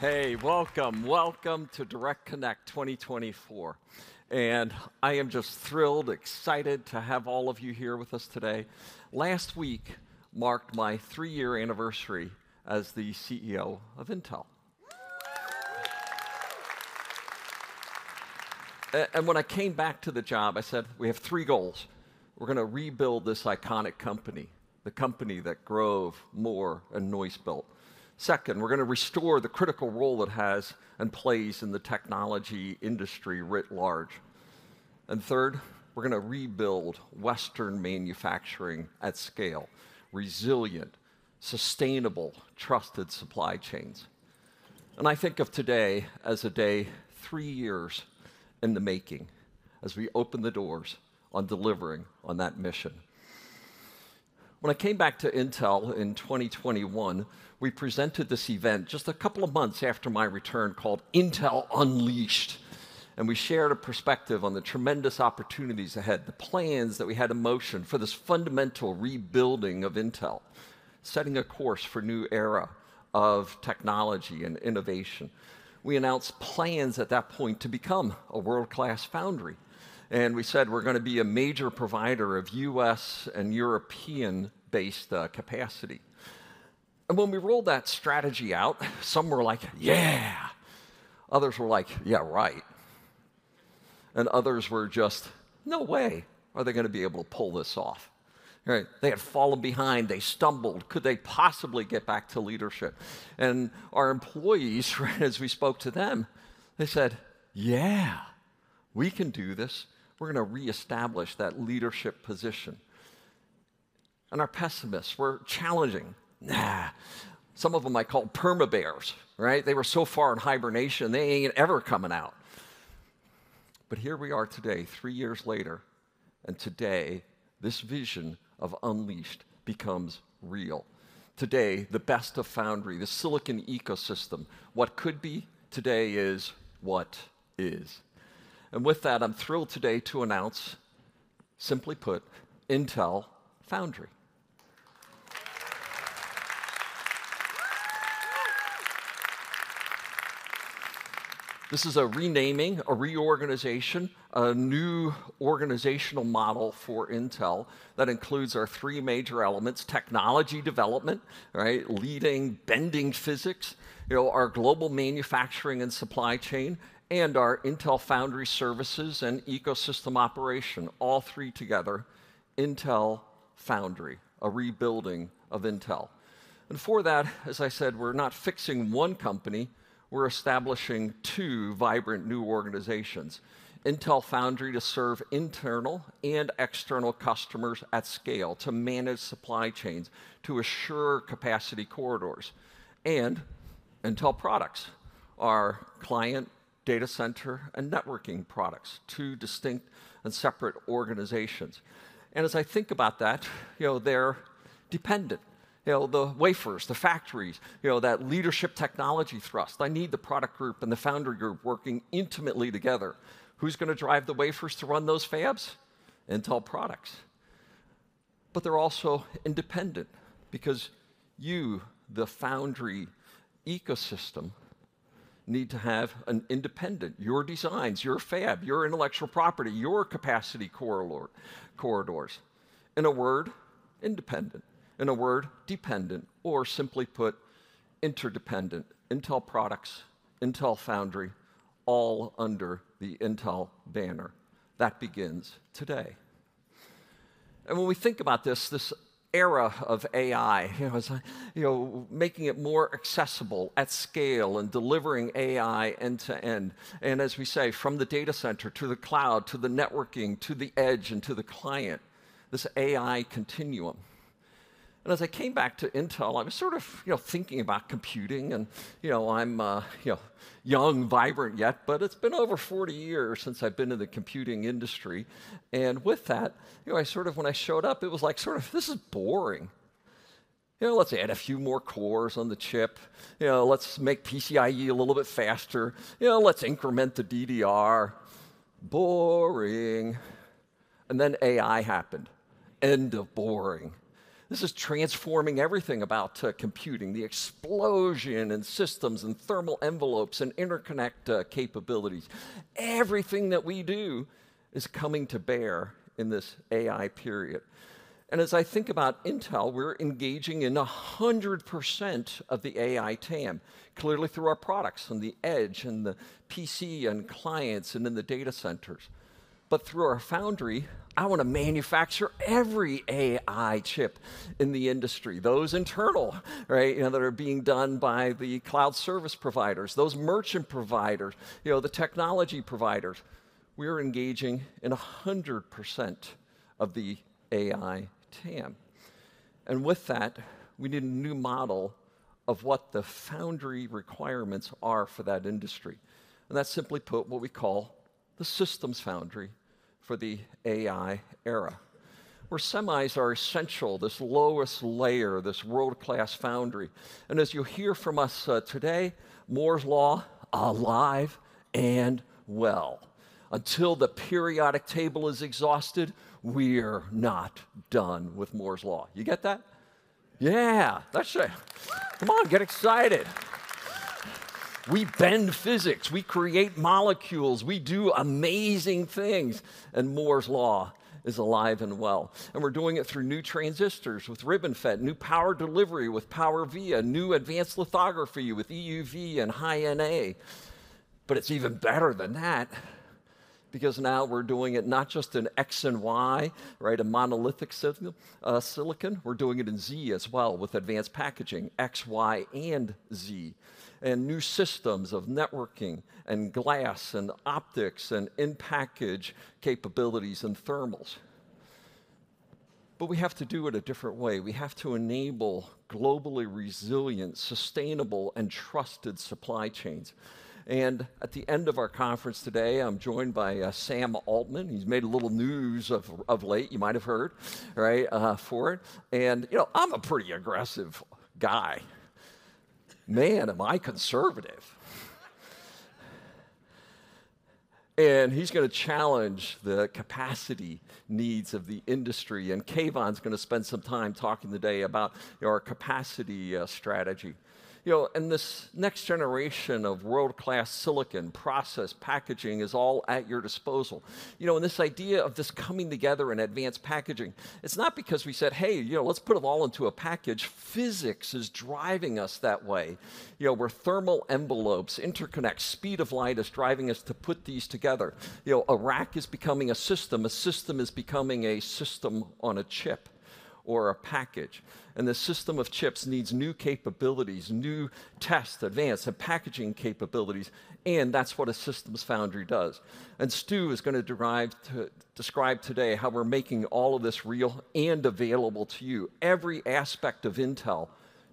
Hey, welcome. Welcome to Direct Connect 2024, and I am just thrilled, excited to have all of you here with us today. Last week marked my three-year anniversary as the CEO of Intel. And when I came back to the job, I said, "We have three goals. We're gonna rebuild this iconic company, the company that Grove, Moore, and Noyce built. Second, we're gonna restore the critical role it has and plays in the technology industry writ large. And third, we're gonna rebuild Western manufacturing at scale, resilient, sustainable, trusted supply chains." And I think of today as a day three years in the making as we open the doors on delivering on that mission. When I came back to Intel in 2021, we presented this event just a couple of months after my return, called Intel Unleashed, and we shared a perspective on the tremendous opportunities ahead, the plans that we had in motion for this fundamental rebuilding of Intel, setting a course for a new era of technology and innovation. We announced plans at that point to become a world-class foundry, and we said we're gonna be a major provider of U.S.- and European-based capacity. And when we rolled that strategy out, some were like, "Yeah!" Others were like, "Yeah, right." And others were just, "No way are they gonna be able to pull this off," right? They had fallen behind. They stumbled. Could they possibly get back to leadership? And our employees, as we spoke to them, they said, "Yeah, we can do this. We're gonna reestablish that leadership position." And our pessimists were challenging. "Nah!" Some of them I called perma-bears, right? They were so far in hibernation, they ain't ever coming out. But here we are today, three years later, and today, this vision of Unleashed becomes real. Today, the best of foundry, the silicon ecosystem, what could be today is what is. And with that, I'm thrilled today to announce, simply put, Intel Foundry. This is a renaming, a reorganization, a new organizational model for Intel that includes our three major elements: technology development, right, leading, bending physics; you know, our global manufacturing and supply chain; and our Intel Foundry Services and ecosystem operation, all three together, Intel Foundry, a rebuilding of Intel. And for that, as I said, we're not fixing one company, we're establishing two vibrant new organizations: Intel Foundry to serve internal and external customers at scale, to manage supply chains, to assure capacity corridors, and Intel Products, our client, data center, and networking products, two distinct and separate organizations. And as I think about that, you know, they're dependent. You know, the wafers, the factories, you know, that leadership technology thrust, I need the product group and the foundry group working intimately together. Who's gonna drive the wafers to run those fabs? Intel Products. But they're also independent because you, the foundry ecosystem, need to have an independent, your designs, your fab, your intellectual property, your capacity corridor, corridors. In a word, independent. In a word, dependent, or simply put, interdependent. Intel Products, Intel Foundry, all under the Intel banner. That begins today. And when we think about this, this era of AI, you know, as I... You know, making it more accessible at scale and delivering AI end to end, and as we say, from the data center to the cloud, to the networking, to the edge, and to the client, this AI continuum. And as I came back to Intel, I was sort of, you know, thinking about computing, and, you know, I'm, you know, young, vibrant yet, but it's been over 40 years since I've been in the computing industry. And with that, you know, I sort of... When I showed up, it was like, sort of, "This is boring. You know, let's add a few more cores on the chip. You know, let's make PCIe a little bit faster. You know, let's increment the DDR. Boring." And then AI happened. End of boring. This is transforming everything about, computing, the explosion in systems and thermal envelopes and interconnect, capabilities. Everything that we do is coming to bear in this AI period. And as I think about Intel, we're engaging in 100% of the AI TAM, clearly through our products, from the edge and the PC and clients and in the data centers. But through our foundry, I wanna manufacture every AI chip in the industry, those internal, right, you know, that are being done by the cloud service providers, those merchant providers, you know, the technology providers. We're engaging in 100% of the AI TAM. And with that, we need a new model of what the foundry requirements are for that industry, and that's simply put, what we call the systems foundry for the AI era, where semis are essential, this lowest layer, this world-class foundry. And as you'll hear from us, today, Moore's Law, alive and well. Until the periodic table is exhausted, we're not done with Moore's Law. You get that? Yeah! Let's say- Come on, get excited.... We bend physics, we create molecules, we do amazing things, and Moore's Law is alive and well. And we're doing it through new transistors with RibbonFET, new power delivery with PowerVia, new advanced lithography with EUV and High-NA. But it's even better than that, because now we're doing it not just in X and Y, right, a monolithic silicon, we're doing it in Z as well with advanced packaging, X, Y, and Z, and new systems of networking and glass and optics and in-package capabilities and thermals. But we have to do it a different way. We have to enable globally resilient, sustainable, and trusted supply chains. At the end of our conference today, I'm joined by Sam Altman. He's made a little news of late, you might have heard, right, for it. You know, I'm a pretty aggressive guy. Man, am I conservative! He's gonna challenge the capacity needs of the industry, and Keyvan's gonna spend some time talking today about our capacity strategy. You know, this next generation of world-class silicon process packaging is all at your disposal. You know, this idea of this coming together in advanced packaging, it's not because we said, "Hey, you know, let's put them all into a package." Physics is driving us that way. You know, where thermal envelopes, interconnect, speed of light is driving us to put these together. You know, a rack is becoming a system, a system is becoming a system on a chip or a package, and the system of chips needs new capabilities, new tests, advanced and packaging capabilities, and that's what a systems foundry does. And Stu is gonna describe today how we're making all of this real and available to you, every aspect of Intel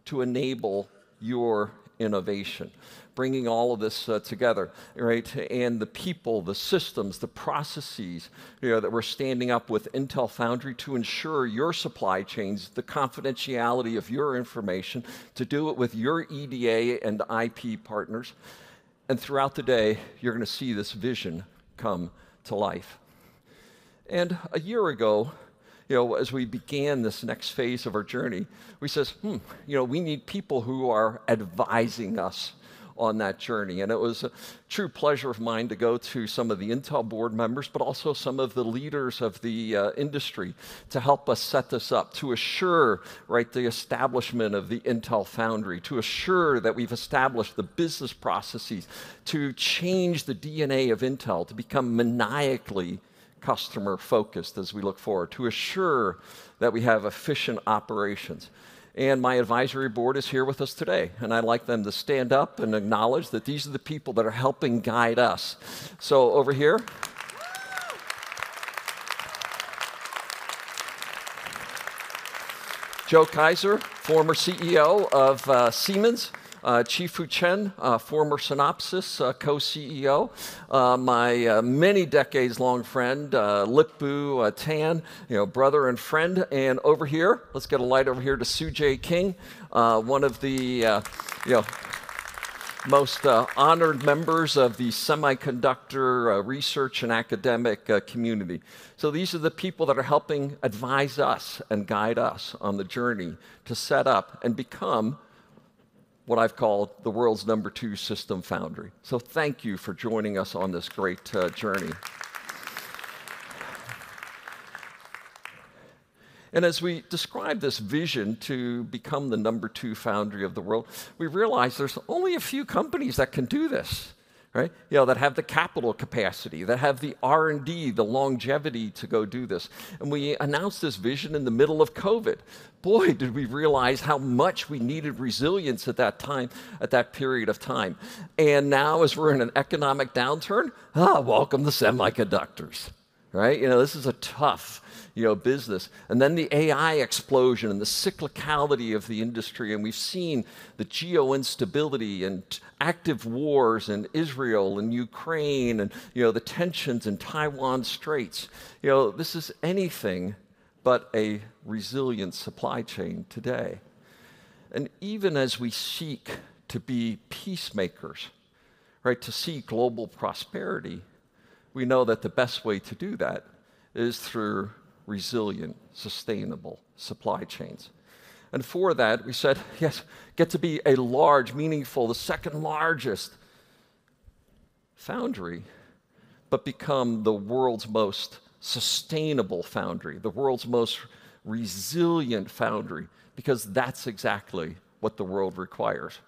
to enable your innovation, bringing all of this together, right? And the people, the systems, the processes, you know, that we're standing up with Intel Foundry to ensure your supply chains, the confidentiality of your information, to do it with your EDA and IP partners. And throughout the day, you're gonna see this vision come to life. And a year ago, you know, as we began this next phase of our journey, we says, "Hmm, you know, we need people who are advising us on that journey." It was a true pleasure of mine to go to some of the Intel board members, but also some of the leaders of the, uh, industry, to help us set this up, to assure, right, the establishment of the Intel Foundry, to assure that we've established the business processes, to change the DNA of Intel, to become maniacally customer-focused as we look forward, to assure that we have efficient operations. My advisory board is here with us today, and I'd like them to stand up and acknowledge that these are the people that are helping guide us. So over here. Joe Kaeser, former CEO of Siemens, Chi-Foon Chan, former Synopsys Co-CEO, my many decades-long friend, Lip-Bu Tan, you know, brother and friend. And over here, let's get a light over here to Tsu-Jae King, one of the, you know, most honored members of the semiconductor research and academic community. So these are the people that are helping advise us and guide us on the journey to set up and become what I've called the world's number two system foundry. So thank you for joining us on this great journey. And as we describe this vision to become the number two foundry of the world, we realize there's only a few companies that can do this, right? You know, that have the capital capacity, that have the R&D, the longevity to go do this, and we announced this vision in the middle of COVID. Boy, did we realize how much we needed resilience at that time, at that period of time. And now, as we're in an economic downturn, ah, welcome to semiconductors, right? You know, this is a tough, you know, business. And then the AI explosion and the cyclicality of the industry, and we've seen the geo-instability and active wars in Israel and Ukraine and, you know, the tensions in Taiwan Straits. You know, this is anything but a resilient supply chain today. And even as we seek to be peacemakers, right, to seek global prosperity, we know that the best way to do that is through resilient, sustainable supply chains. And for that, we said, "Yes, get to be a large, meaningful, the second-largest foundry, but become the world's most sustainable foundry, the world's most resilient foundry," because that's exactly what the world requires.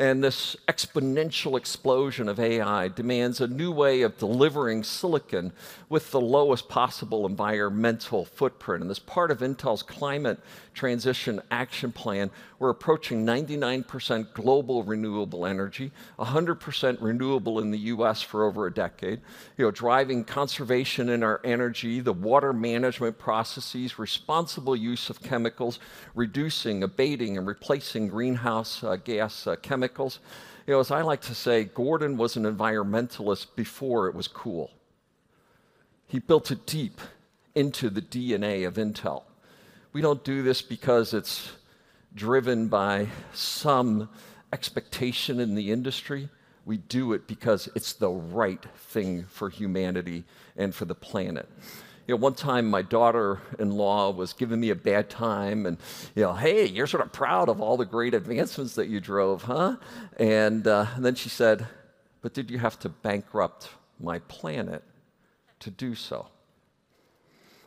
And this exponential explosion of AI demands a new way of delivering silicon with the lowest possible environmental footprint. And as part of Intel's Climate Transition Action Plan, we're approaching 99% global renewable energy, 100% renewable in the US for over a decade, you know, driving conservation in our energy, the water management processes, responsible use of chemicals, reducing, abating, and replacing greenhouse gas chemicals. You know, as I like to say, Gordon was an environmentalist before it was cool. He built it deep into the DNA of Intel. We don't do this because it's driven by some expectation in the industry. We do it because it's the right thing for humanity and for the planet. You know, one time, my daughter-in-law was giving me a bad time, and, you know, "Hey, you're sort of proud of all the great advancements that you drove, huh?" And, and then she said, "But did you have to bankrupt my planet?"... to do so.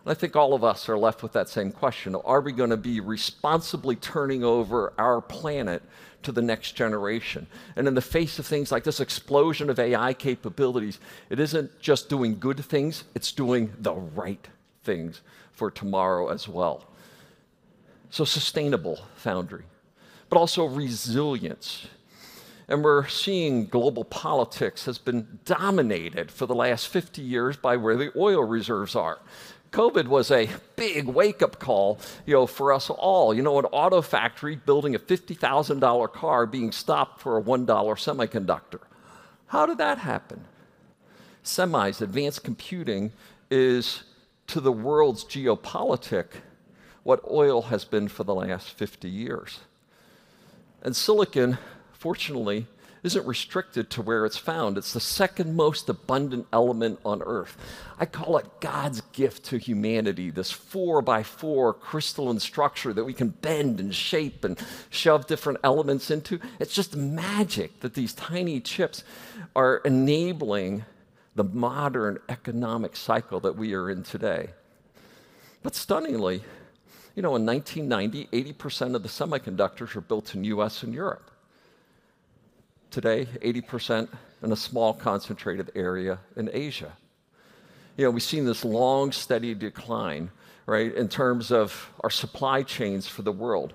And I think all of us are left with that same question: Are we gonna be responsibly turning over our planet to the next generation? And in the face of things like this explosion of AI capabilities, it isn't just doing good things, it's doing the right things for tomorrow as well. So sustainable foundry, but also resilience. And we're seeing global politics has been dominated for the last 50 years by where the oil reserves are. COVID was a big wake-up call, you know, for us all. You know, an auto factory building a $50,000 car being stopped for a $1 semiconductor. How did that happen? Semis, advanced computing, is to the world's geopolitics what oil has been for the last 50 years. And silicon, fortunately, isn't restricted to where it's found. It's the second most abundant element on Earth. I call it God's gift to humanity, this 4-by-4 crystalline structure that we can bend, and shape, and shove different elements into. It's just magic that these tiny chips are enabling the modern economic cycle that we are in today. But stunningly, you know, in 1990, 80% of the semiconductors were built in U.S. and Europe. Today, 80% in a small, concentrated area in Asia. You know, we've seen this long, steady decline, right, in terms of our supply chains for the world.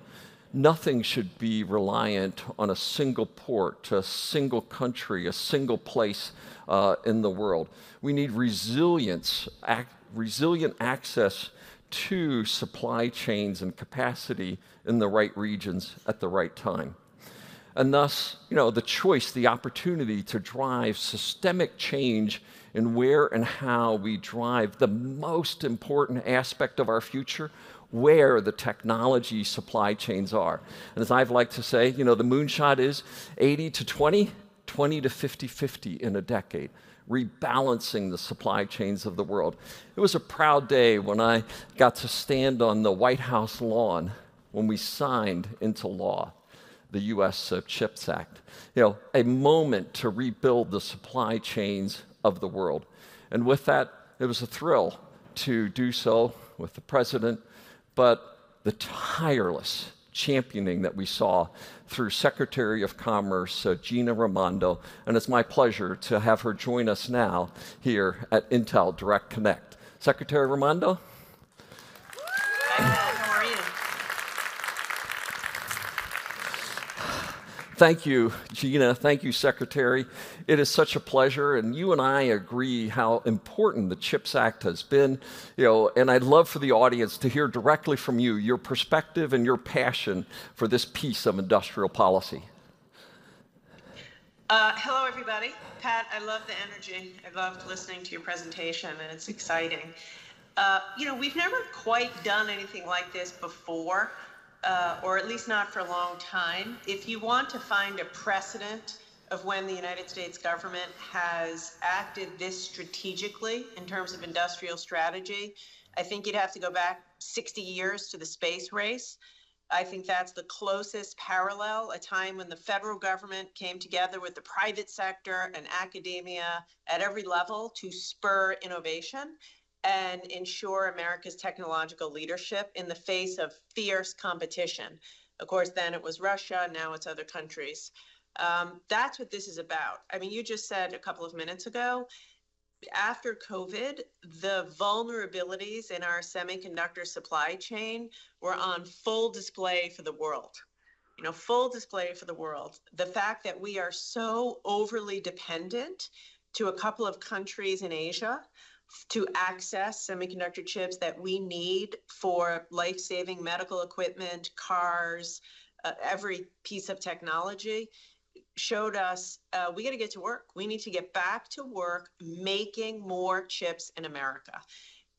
Nothing should be reliant on a single port, a single country, a single place in the world. We need resilient access to supply chains and capacity in the right regions at the right time. And thus, you know, the choice, the opportunity to drive systemic change in where and how we drive the most important aspect of our future, where the technology supply chains are. And as I've liked to say, you know, the moonshot is 80-20, 20 to 50/50 in a decade, rebalancing the supply chains of the world. It was a proud day when I got to stand on the White House lawn when we signed into law the CHIPS Act. You know, a moment to rebuild the supply chains of the world. And with that, it was a thrill to do so with the president, but the tireless championing that we saw through Secretary of Commerce Gina Raimondo, and it's my pleasure to have her join us now here at Intel Direct Connect. Secretary Raimondo? Hi, Pat, how are you? Thank you, Gina. Thank you, Secretary. It is such a pleasure, and you and I agree how important the CHIPS Act has been, you know, and I'd love for the audience to hear directly from you, your perspective and your passion for this piece of industrial policy. Hello, everybody. Pat, I love the energy. I loved listening to your presentation, and it's exciting. You know, we've never quite done anything like this before, or at least not for a long time. If you want to find a precedent of when the United States government has acted this strategically in terms of industrial strategy, I think you'd have to go back 60 years to the space race. I think that's the closest parallel, a time when the federal government came together with the private sector and academia at every level to spur innovation and ensure America's technological leadership in the face of fierce competition. Of course, then it was Russia, now it's other countries. That's what this is about. I mean, you just said a couple of minutes ago, after COVID, the vulnerabilities in our semiconductor supply chain were on full display for the world. You know, full display for the world. The fact that we are so overly dependent to a couple of countries in Asia to access semiconductor chips that we need for life-saving medical equipment, cars, every piece of technology, showed us, we gotta get to work. We need to get back to work, making more chips in America.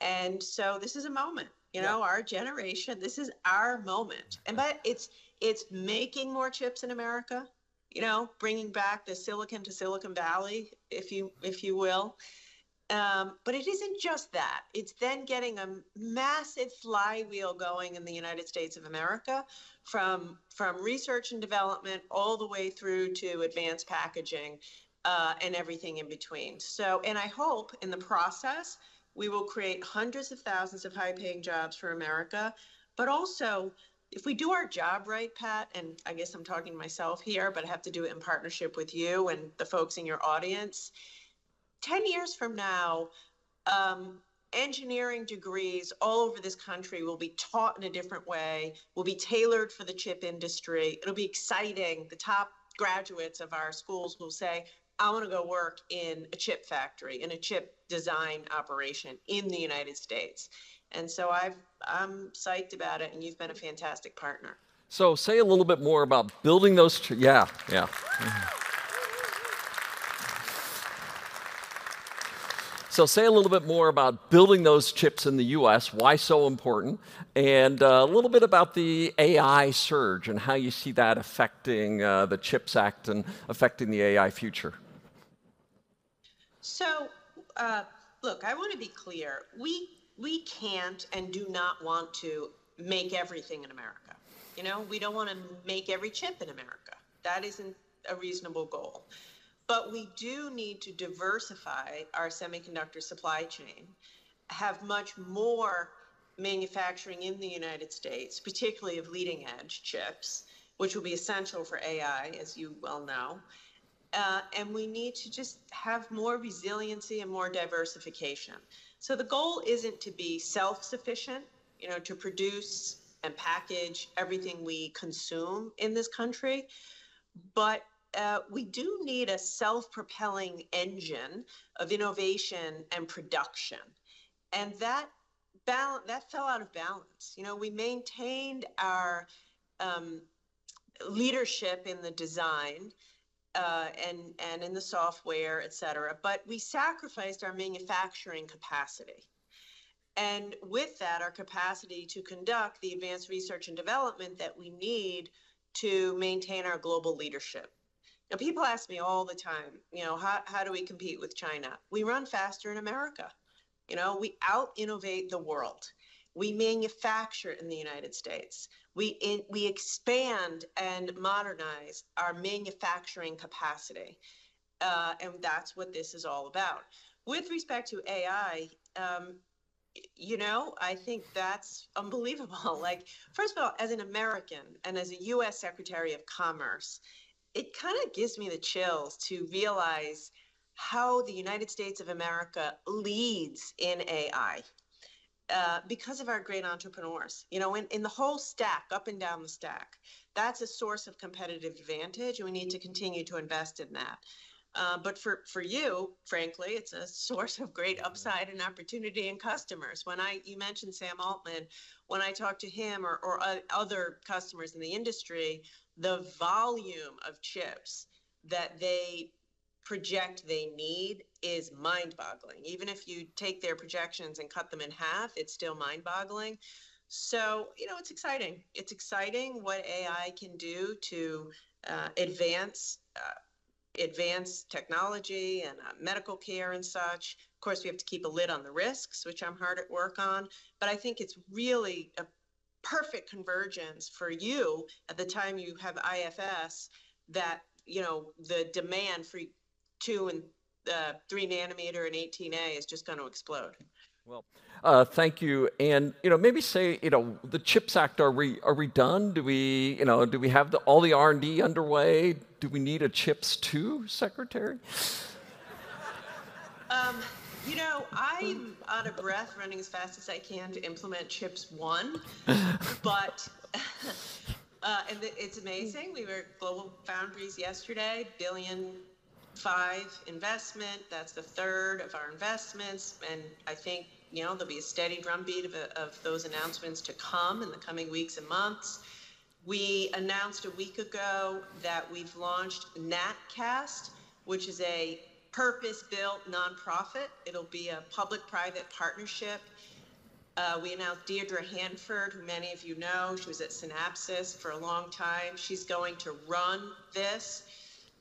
And so this is a moment- Yeah... you know, our generation, this is our moment. Yeah. But it's making more chips in America, you know, bringing back the silicon to Silicon Valley, if you will. But it isn't just that. It's then getting a massive flywheel going in the United States of America, from research and development all the way through to advanced packaging and everything in between. And I hope, in the process, we will create hundreds of thousands of high-paying jobs for America. But also, if we do our job right, Pat, and I guess I'm talking to myself here, but I have to do it in partnership with you and the folks in your audience, 10 years from now, engineering degrees all over this country will be taught in a different way, will be tailored for the chip industry. It'll be exciting. The top graduates of our schools will say: "I wanna go work in a chip factory, in a chip design operation in the United States." And so I'm psyched about it, and you've been a fantastic partner. So say a little bit more about building those chips in the U.S., why so important, and a little bit about the AI surge and how you see that affecting the CHIPS Act and affecting the AI future. So, look, I wanna be clear: we, we can't and do not want to make everything in America. You know, we don't wanna make every chip in America. That isn't a reasonable goal. But we do need to diversify our semiconductor supply chain, have much more manufacturing in the United States, particularly of leading-edge chips, which will be essential for AI, as you well know. And we need to just have more resiliency and more diversification. So the goal isn't to be self-sufficient, you know, to produce and package everything we consume in this country, but we do need a self-propelling engine of innovation and production, and that fell out of balance. You know, we maintained our leadership in the design, and in the software, et cetera, but we sacrificed our manufacturing capacity, and with that, our capacity to conduct the advanced research and development that we need to maintain our global leadership. Now, people ask me all the time, you know: How do we compete with China? We run faster in America. You know, we out-innovate the world. We manufacture in the United States. We expand and modernize our manufacturing capacity, and that's what this is all about. With respect to AI, you know, I think that's unbelievable. Like, first of all, as an American and as a U.S. Secretary of Commerce, it kinda gives me the chills to realize how the United States of America leads in AI, because of our great entrepreneurs. You know, in the whole stack, up and down the stack, that's a source of competitive advantage, and we need to continue to invest in that. But for you, frankly, it's a source of great upside and opportunity in customers. You mentioned Sam Altman. When I talk to him or other customers in the industry, the volume of chips that they project they need is mind-boggling. Even if you take their projections and cut them in half, it's still mind-boggling. So, you know, it's exciting. It's exciting what AI can do to advance technology and medical care and such. Of course, we have to keep a lid on the risks, which I'm hard at work on, but I think it's really a perfect convergence for you at the time you have IFS that, you know, the demand for 2 nm and 3 nm and 18A is just gonna explode. Well, thank you. And, you know, maybe say, you know, the CHIPS Act, are we, are we done? Do we... You know, do we have the, all the R&D underway? Do we need a CHIPS 2.0, Secretary? You know, I'm out of breath running as fast as I can to implement CHIPS 1.0. But it's amazing. We were at GlobalFoundries yesterday, $1.5 billion investment. That's the third of our investments, and I think, you know, there'll be a steady drumbeat of those announcements to come in the coming weeks and months. We announced a week ago that we've launched Natcast, which is a purpose-built nonprofit. It'll be a public-private partnership. We announced Deirdre Hanford, who many of you know. She was at Synopsys for a long time. She's going to run this,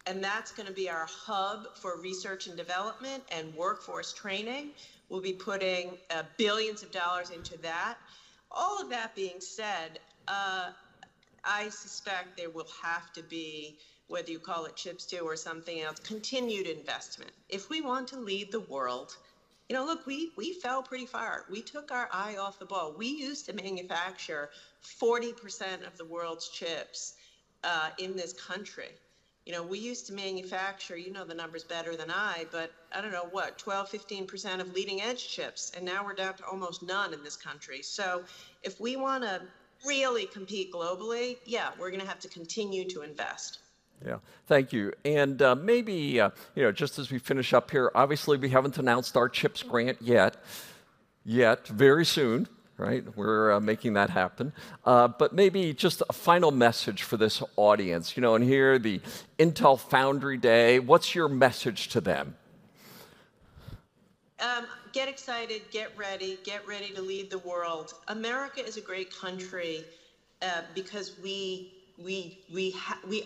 and that's gonna be our hub for research and development and workforce training. We'll be putting billions of dollars into that. All of that being said, I suspect there will have to be, whether you call it CHIPS 2.0 or something else, continued investment if we want to lead the world. You know, look, we, we fell pretty far. We took our eye off the ball. We used to manufacture 40% of the world's chips in this country. You know, we used to manufacture, you know the numbers better than I, but I don't know, what? 12%-15% of leading-edge chips, and now we're down to almost none in this country. So if we wanna really compete globally, yeah, we're gonna have to continue to invest. Yeah. Thank you. Maybe, you know, just as we finish up here, obviously, we haven't announced our CHIPS grant yet, yet very soon, right? We're making that happen. But maybe just a final message for this audience, you know, and here, the Intel Foundry Day, what's your message to them? Get excited, get ready, get ready to lead the world. America is a great country, because we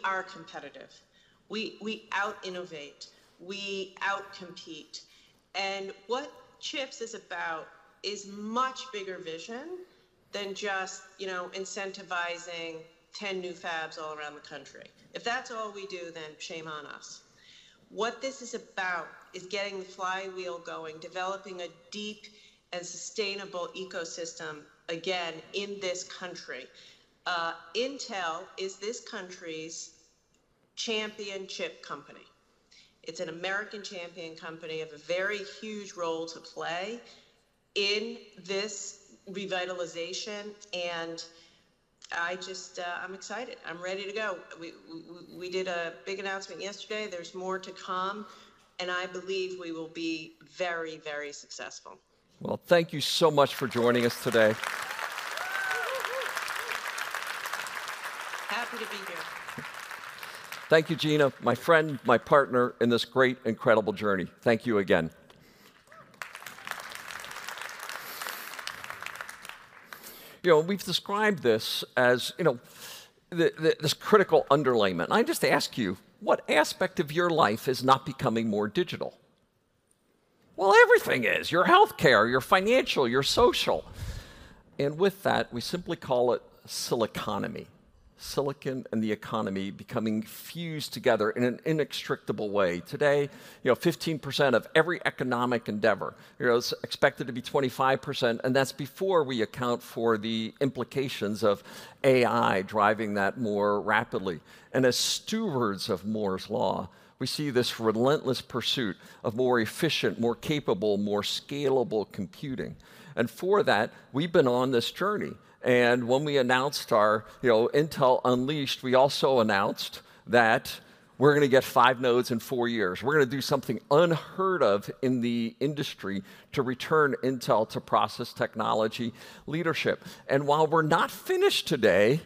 are competitive, we out-innovate, we out-compete, and what CHIPS is about is much bigger vision than just, you know, incentivizing 10 new fabs all around the country. If that's all we do, then shame on us. What this is about is getting the flywheel going, developing a deep and sustainable ecosystem again in this country. Intel is this country's champion chip company. It's an American champion company of a very huge role to play in this revitalization, and I just, I'm excited. I'm ready to go. We did a big announcement yesterday. There's more to come, and I believe we will be very, very successful. Well, thank you so much for joining us today. Happy to be here. Thank you, Gina, my friend, my partner in this great, incredible journey. Thank you again. You know, we've described this as, you know, this critical underlayment. I just ask you, what aspect of your life is not becoming more digital? Well, everything is! Your healthcare, your financial, your social. And with that, we simply call it Siliconomy. Silicon and the economy becoming fused together in an inextricable way. Today, you know, 15% of every economic endeavor, you know, it's expected to be 25%, and that's before we account for the implications of AI driving that more rapidly. And as stewards of Moore's Law, we see this relentless pursuit of more efficient, more capable, more scalable computing, and for that, we've been on this journey. And when we announced our, you know, Intel Unleashed, we also announced that we're gonna get five nodes in four years. We're gonna do something unheard of in the industry to return Intel to process technology leadership. And while we're not finished today,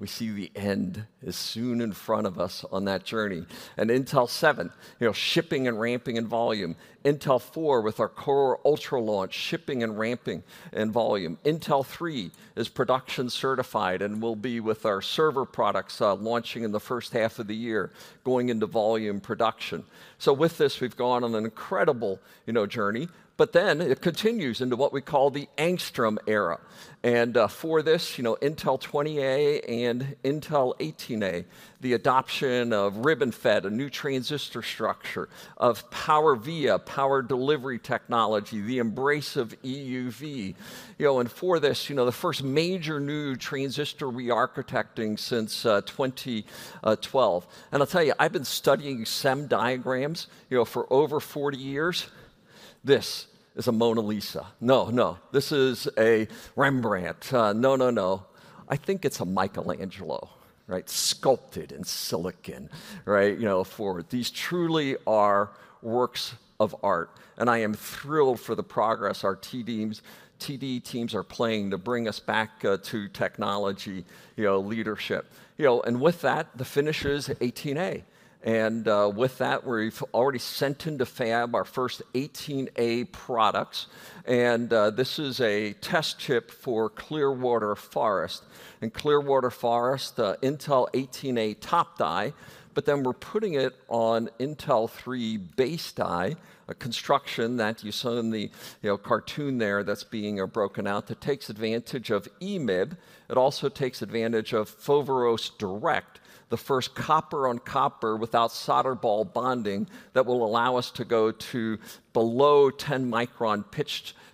we see the end is soon in front of us on that journey. And Intel 7, you know, shipping and ramping in volume. Intel 4, with our Core Ultra launch, shipping and ramping in volume. Intel 3 is production certified and will be with our server products, launching in the first half of the year, going into volume production. So with this, we've gone on an incredible, you know, journey, but then it continues into what we call the Angstrom Era. And, for this, you know, Intel 20A and Intel 18A, the adoption of RibbonFET, a new transistor structure, of PowerVia power delivery technology, the embrace of EUV. You know, and for this, you know, the first major new transistor rearchitecting since 2012. I'll tell you, I've been studying SEM diagrams, you know, for over 40 years. This is a Mona Lisa. No, no, no. I think it's a Michelangelo, right? Sculpted in silicon, right? You know, for these truly are works of art, and I am thrilled for the progress our TD teams are playing to bring us back to technology, you know, leadership. You know, with that, the finish is 18A. With that, we've already sent into fab our first 18A products, and this is a test chip for Clearwater Forest. In Clearwater Forest, Intel 18A top die, but then we're putting it on Intel 3 base die, a construction that you saw in the, you know, cartoon there that's being broken out, that takes advantage of EMIB. It also takes advantage of Foveros Direct, the first copper-on-copper without solder ball bonding, that will allow us to go to below 10-micron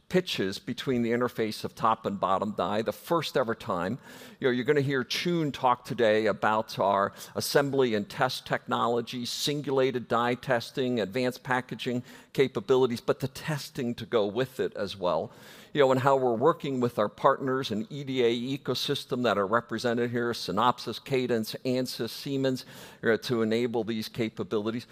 pitches between the interface of top and bottom die, the first-ever time. You know, you're gonna hear Choon talk today about our assembly and test technology, singulated die testing, advanced packaging capabilities, but the testing to go with it as well. You know, and how we're working with our partners in EDA ecosystem that are represented here, Synopsys, Cadence, Ansys, Siemens, to enable these capabilities,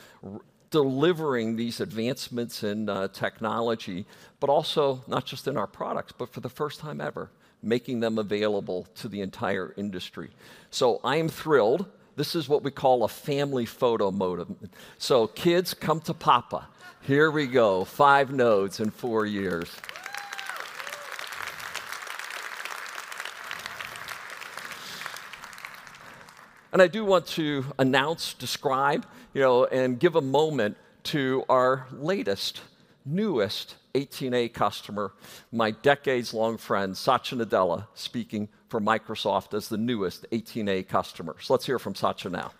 delivering these advancements in, technology, but also not just in our products, but for the first time ever, making them available to the entire industry. So I am thrilled. This is what we call a family photo mode. So kids, come to papa. Here we go, five nodes in four years. I do want to announce, describe, you know, and give a moment to our latest, newest 18A customer, my decades-long friend, Satya Nadella, speaking for Microsoft as the newest 18A customer. Let's hear from Satya now.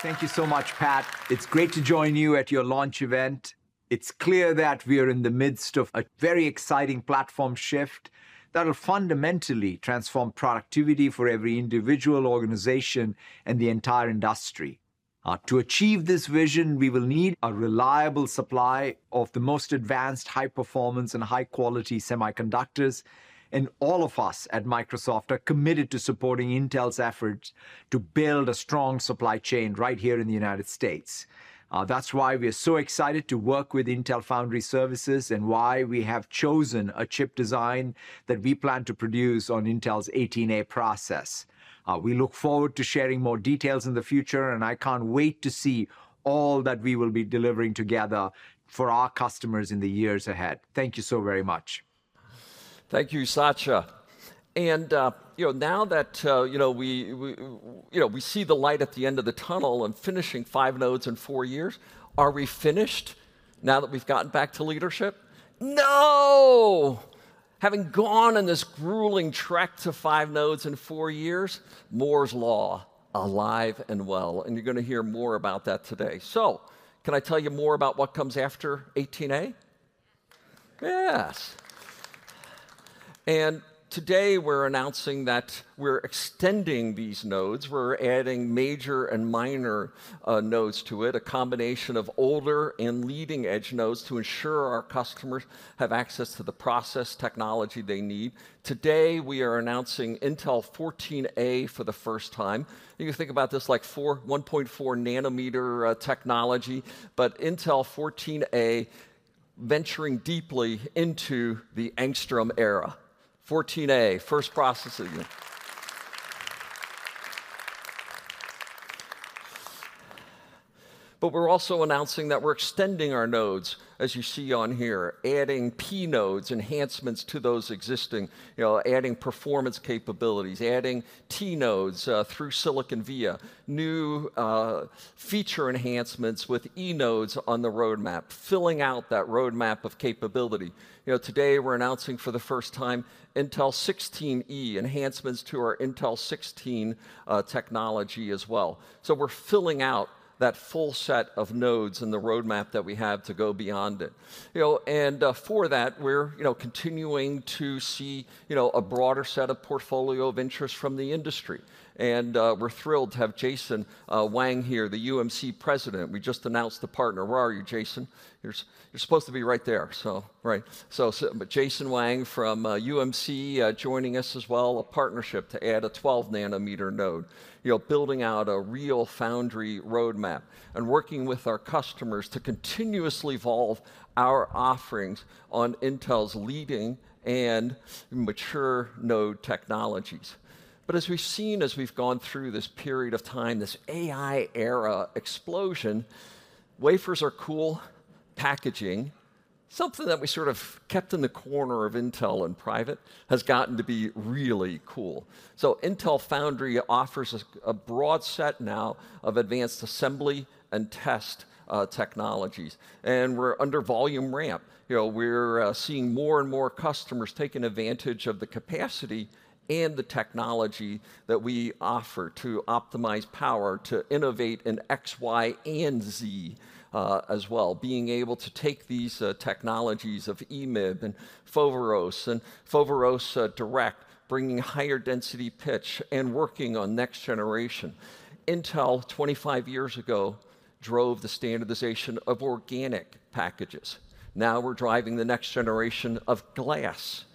Thank you so much, Pat. It's great to join you at your launch event. It's clear that we are in the midst of a very exciting platform shift that will fundamentally transform productivity for every individual, organization, and the entire industry. To achieve this vision, we will need a reliable supply of the most advanced, high-performance and high-quality semiconductors, and all of us at Microsoft are committed to supporting Intel's efforts to build a strong supply chain right here in the United States. That's why we are so excited to work with Intel Foundry Services and why we have chosen a chip design that we plan to produce on Intel's 18A process. We look forward to sharing more details in the future, and I can't wait to see all that we will be delivering together for our customers in the years ahead. Thank you so very much. Thank you, Satya. And you know, now that you know we see the light at the end of the tunnel and finishing five nodes in four years, are we finished now that we've gotten back to leadership? No! Having gone on this grueling trek to five nodes in four years, Moore's Law, alive and well, and you're gonna hear more about that today. So can I tell you more about what comes after 18A? Yes. And today, we're announcing that we're extending these nodes. We're adding major and minor nodes to it, a combination of older and leading-edge nodes to ensure our customers have access to the process technology they need. Today, we are announcing Intel 14A for the first time. You can think about this like 1.4 nm technology, but Intel 14A venturing deeply into the Angstrom Era. 14A, first processing.... but we're also announcing that we're extending our nodes, as you see on here, adding P-nodes, enhancements to those existing, you know, adding performance capabilities, adding T-nodes, through silicon via. New, feature enhancements with E-nodes on the roadmap, filling out that roadmap of capability. You know, today we're announcing for the first time Intel 16E, enhancements to our Intel 16, technology as well. So we're filling out that full set of nodes in the roadmap that we have to go beyond it. You know, and, for that, we're, you know, continuing to see, you know, a broader set of portfolio of interest from the industry. And, we're thrilled to have Jason Wang here, the UMC President. We just announced the partner. Where are you, Jason? You're supposed to be right there. So, right. So, but Jason Wang from UMC, joining us as well, a partnership to add a 12 nm node. You know, building out a real foundry roadmap and working with our customers to continuously evolve our offerings on Intel's leading and mature node technologies. But as we've seen, as we've gone through this period of time, this AI era explosion, wafers are cool. Packaging, something that we sort of kept in the corner of Intel in private, has gotten to be really cool. So Intel Foundry offers us a broad set now of advanced assembly and test technologies, and we're under volume ramp. You know, we're seeing more and more customers taking advantage of the capacity and the technology that we offer to optimize power to innovate in X, Y, and Z, as well. Being able to take these, technologies of EMIB and Foveros and Foveros Direct, bringing higher density pitch and working on next generation. Intel, 25 years ago, drove the standardization of organic packages. Now we're driving the next generation of glass-based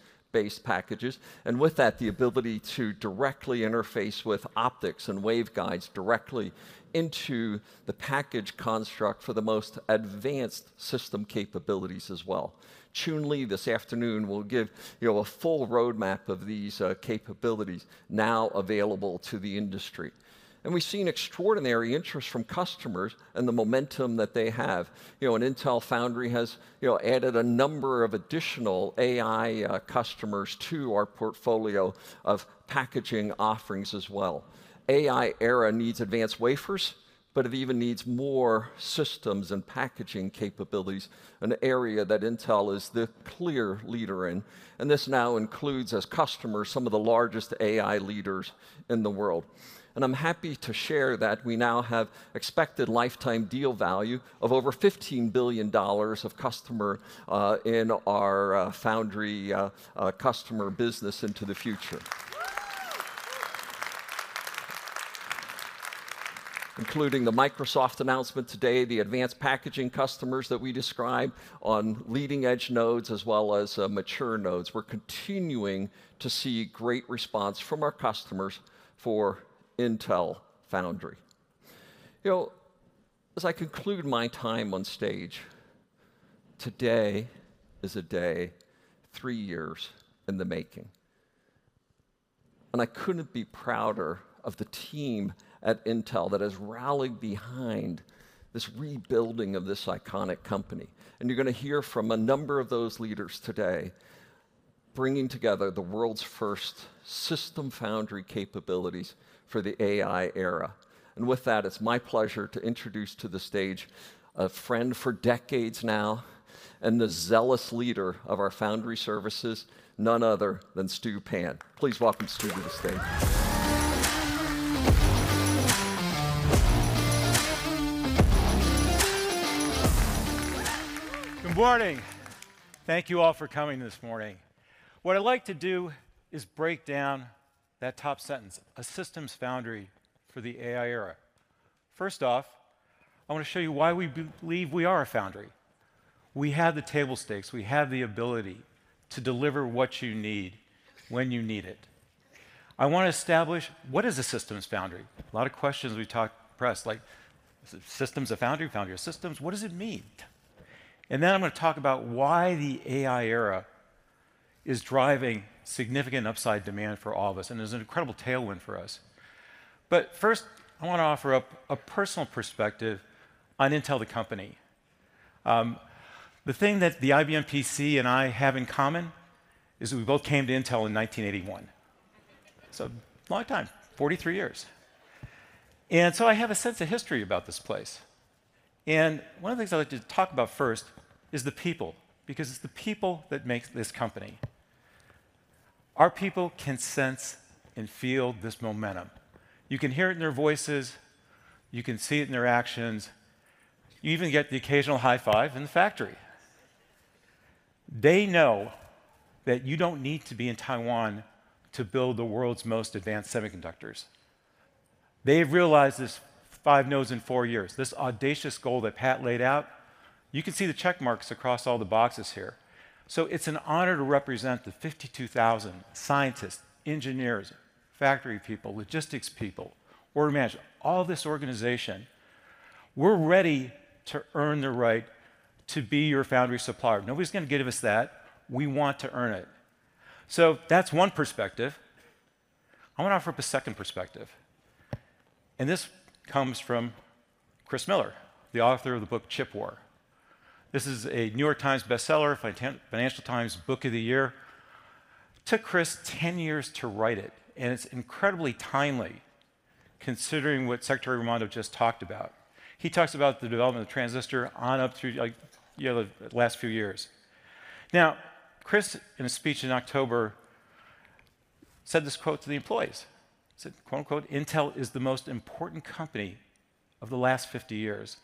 packages, and with that, the ability to directly interface with optics and waveguides directly into the package construct for the most advanced system capabilities as well. Choon Lee, this afternoon, will give, you know, a full roadmap of these, capabilities now available to the industry. We've seen extraordinary interest from customers and the momentum that they have. You know, and Intel Foundry has, you know, added a number of additional AI, customers to our portfolio of packaging offerings as well. AI era needs advanced wafers, but it even needs more systems and packaging capabilities, an area that Intel is the clear leader in, and this now includes, as customers, some of the largest AI leaders in the world. And I'm happy to share that we now have expected lifetime deal value of over $15 billion of customer in our foundry customer business into the future. Including the Microsoft announcement today, the advanced packaging customers that we described on leading-edge nodes as well as mature nodes, we're continuing to see great response from our customers for Intel Foundry. You know, as I conclude my time on stage, today is a day three years in the making, and I couldn't be prouder of the team at Intel that has rallied behind this rebuilding of this iconic company. You're gonna hear from a number of those leaders today, bringing together the world's first system foundry capabilities for the AI era. With that, it's my pleasure to introduce to the stage a friend for decades now and the zealous leader of our foundry services, none other than Stuart Pann. Please welcome Stuart to the stage. Good morning. Thank you all for coming this morning. What I'd like to do is break down that top sentence, a systems foundry for the AI era. First off, I wanna show you why we believe we are a foundry. We have the table stakes. We have the ability to deliver what you need when you need it. I wanna establish what is a systems foundry? A lot of questions we've talked press, like systems of foundry, foundry of systems, what does it mean? And then I'm gonna talk about why the AI era is driving significant upside demand for all of us, and there's an incredible tailwind for us. But first, I wanna offer up a personal perspective on Intel, the company. The thing that the IBM PC and I have in common is we both came to Intel in 1981. So a long time, 43 years. And so I have a sense of history about this place. And one of the things I'd like to talk about first is the people, because it's the people that make this company. Our people can sense and feel this momentum. You can hear it in their voices, you can see it in their actions. You even get the occasional high five in the factory. They know that you don't need to be in Taiwan to build the world's most advanced semiconductors. They've realized this 5 nodes in 4 years, this audacious goal that Pat laid out. You can see the check marks across all the boxes here. So it's an honor to represent the 52,000 scientists, engineers, factory people, logistics people, order management, all this organization. We're ready to earn the right to be your foundry supplier. Nobody's gonna give us that. We want to earn it. So that's one perspective. I want to offer up a second perspective, and this comes from Chris Miller, the author of the book, Chip War. This is a New York Times bestseller, Financial Times Book of the Year. Took Chris 10 years to write it, and it's incredibly timely, considering what Secretary Raimondo just talked about. He talks about the development of the transistor on up through, like, you know, the last few years. Now, Chris, in a speech in October, said this quote to the employees. He said, quote, unquote, "Intel is the most important company of the last 50 years."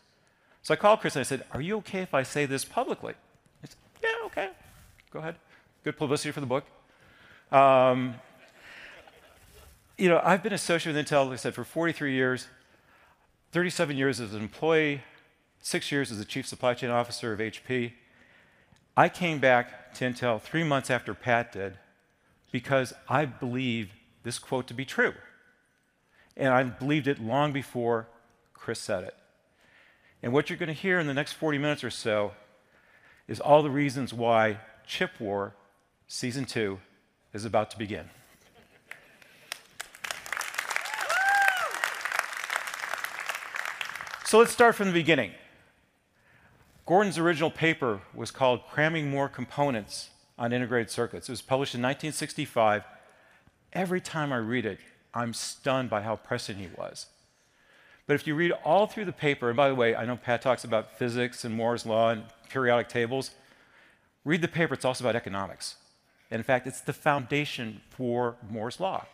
So I called Chris, and I said, "Are you okay if I say this publicly?" He said, "Yeah, okay. Go ahead. Good publicity for the book." You know, I've been associated with Intel, like I said, for 43 years, 37 years as an employee, six years as the Chief Supply Chain Officer of HP. I came back to Intel 3 months after Pat did because I believe this quote to be true, and I believed it long before Chris said it. What you're gonna hear in the next 40 minutes or so is all the reasons why Chip War: Season Two is about to begin. So let's start from the beginning. Gordon's original paper was called Cramming More Components on Integrated Circuits. It was published in 1965. Every time I read it, I'm stunned by how prescient he was. But if you read all through the paper, and by the way, I know Pat talks about physics and Moore's Law and periodic tables. Read the paper, it's also about economics, and in fact, it's the foundation for Moore's Law.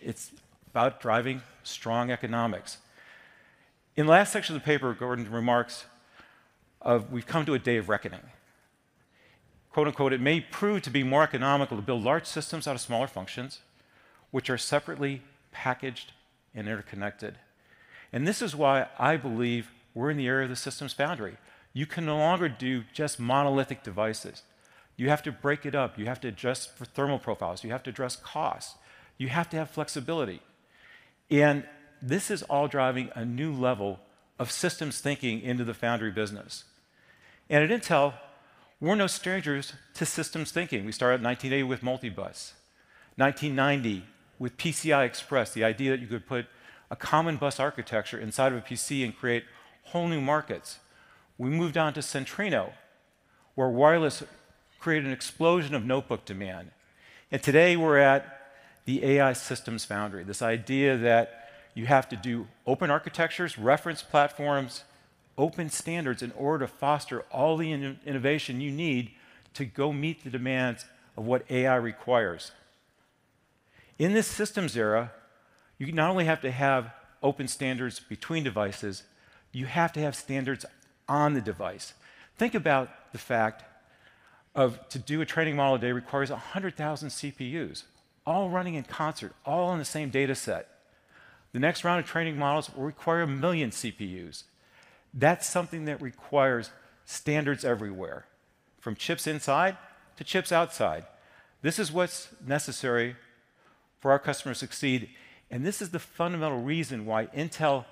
It's about driving strong economics. In the last section of the paper, Gordon remarks of, "We've come to a day of reckoning." Quote, unquote, "It may prove to be more economical to build large systems out of smaller functions, which are separately packaged and interconnected." This is why I believe we're in the era of the systems foundry. You can no longer do just monolithic devices. You have to break it up. You have to adjust for thermal profiles. You have to address costs. You have to have flexibility. This is all driving a new level of systems thinking into the foundry business. At Intel, we're no strangers to systems thinking. We started in 1980 with Multibus, 1990 with PCI Express, the idea that you could put a common bus architecture inside of a PC and create whole new markets. We moved on to Centrino, where wireless created an explosion of notebook demand. And today, we're at the AI systems foundry, this idea that you have to do open architectures, reference platforms, open standards in order to foster all the innovation you need to go meet the demands of what AI requires. In this systems era, you not only have to have open standards between devices, you have to have standards on the device. Think about the fact that to do a training model a day requires 100,000 CPUs, all running in concert, all on the same data set. The next round of training models will require 1,000,000 CPUs. That's something that requires standards everywhere, from chips inside to chips outside. This is what's necessary for our customers to succeed, and this is the fundamental reason why Intel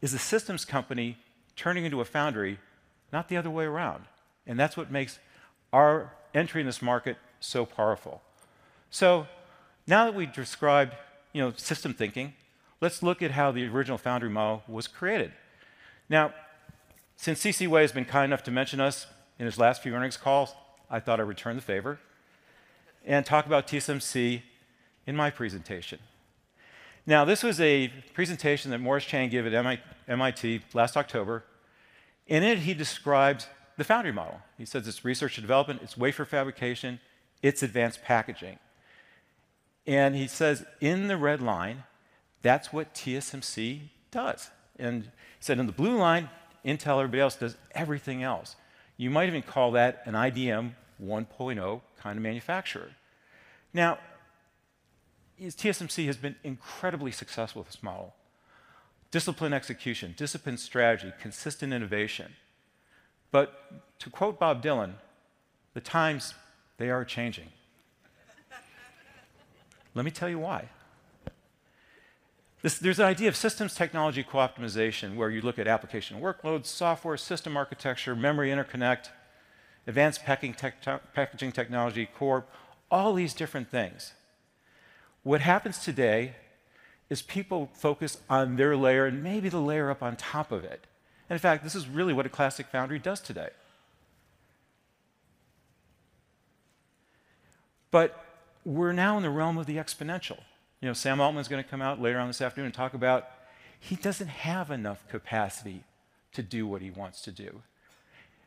is a systems company turning into a foundry, not the other way around, and that's what makes our entry in this market so powerful. So now that we've described, you know, system thinking, let's look at how the original foundry model was created. Now, since C.C. Wei has been kind enough to mention us in his last few earnings calls, I thought I'd return the favor and talk about TSMC in my presentation. Now, this was a presentation that Morris Chang gave at MIT last October. In it, he describes the foundry model. He says, "It's research and development, it's wafer fabrication, it's advanced packaging." And he says, in the red line, that's what TSMC does, and said in the blue line, Intel or everybody else does everything else. You might even call that an IDM 1.0 kind of manufacturer. Now, TSMC has been incredibly successful with this model: discipline, execution, discipline, strategy, consistent innovation. But to quote Bob Dylan, "The times, they are changing." Let me tell you why. This. There's an idea of systems technology co-optimization, where you look at application workloads, software, system architecture, memory interconnect, advanced packing tech - packaging technology, core, all these different things. What happens today is people focus on their layer and maybe the layer up on top of it, and in fact, this is really what a classic foundry does today. But we're now in the realm of the exponential. You know, Sam Altman's gonna come out later on this afternoon and talk about he doesn't have enough capacity to do what he wants to do.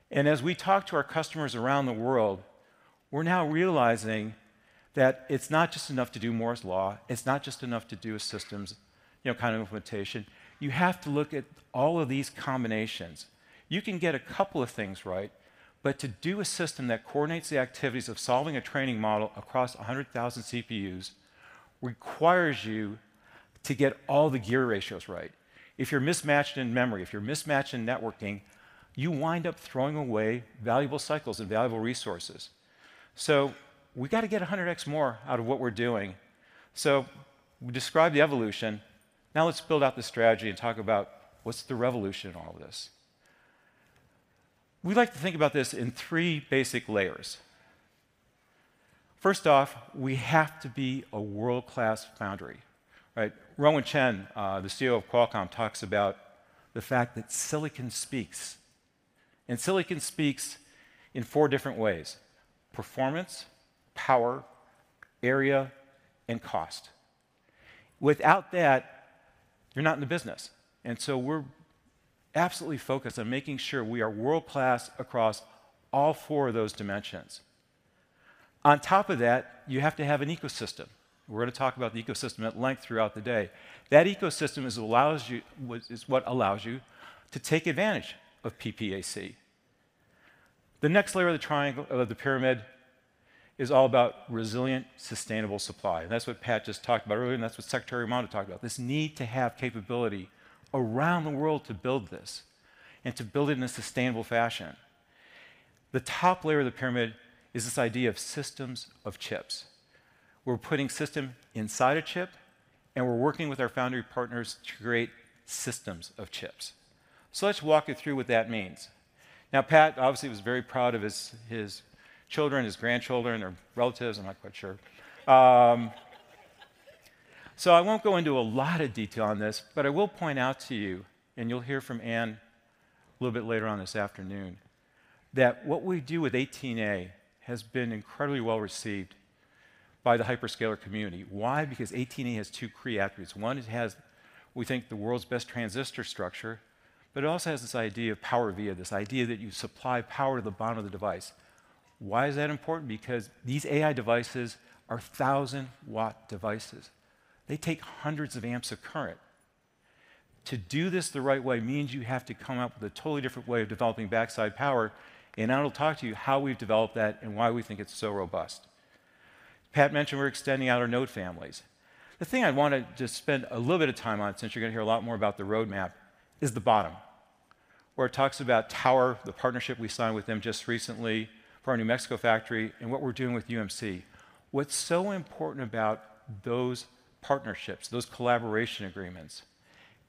And as we talk to our customers around the world, we're now realizing that it's not just enough to do Moore's Law, it's not just enough to do a systems, you know, kind of implementation. You have to look at all of these combinations. You can get a couple of things right, but to do a system that coordinates the activities of solving a training model across 100,000 CPUs requires you to get all the gear ratios right. If you're mismatched in memory, if you're mismatched in networking, you wind up throwing away valuable cycles and valuable resources. So we got to get 100x more out of what we're doing. So we described the evolution. Now, let's build out the strategy and talk about what's the revolution in all of this? We like to think about this in three basic layers. First off, we have to be a world-class foundry, right? Roawen Chen, the CFO of Qualcomm, talks about the fact that silicon speaks, and silicon speaks in four different ways: performance, power, area, and cost. Without that, you're not in the business, and so we're absolutely focused on making sure we are world-class across all four of those dimensions. On top of that, you have to have an ecosystem. We're gonna talk about the ecosystem at length throughout the day. That ecosystem is what allows you to take advantage of PPAC. The next layer of the triangle, or the pyramid, is all about resilient, sustainable supply. And that's what Pat just talked about earlier, and that's what Secretary Raimondo talked about, this need to have capability around the world to build this and to build it in a sustainable fashion. The top layer of the pyramid is this idea of systems of chips. We're putting system inside a chip, and we're working with our foundry partners to create systems of chips. So let's walk you through what that means. Now, Pat obviously was very proud of his, his children, his grandchildren, or relatives, I'm not quite sure. So I won't go into a lot of detail on this, but I will point out to you, and you'll hear from Ann a little bit later on this afternoon, that what we do with 18A has been incredibly well-received by the hyperscaler community. Why? Because 18A has two key attributes. One, it has, we think, the world's best transistor structure, but it also has this idea of PowerVia, this idea that you supply power to the bottom of the device. Why is that important? Because these AI devices are 1000 W devices. They take hundreds of amps of current. To do this the right way means you have to come up with a totally different way of developing backside power, and I'll talk to you how we've developed that and why we think it's so robust. Pat mentioned we're extending out our node families. The thing I want to just spend a little bit of time on, since you're gonna hear a lot more about the roadmap, is the bottom, where it talks about Tower, the partnership we signed with them just recently for our New Mexico factory, and what we're doing with UMC. What's so important about those partnerships, those collaboration agreements,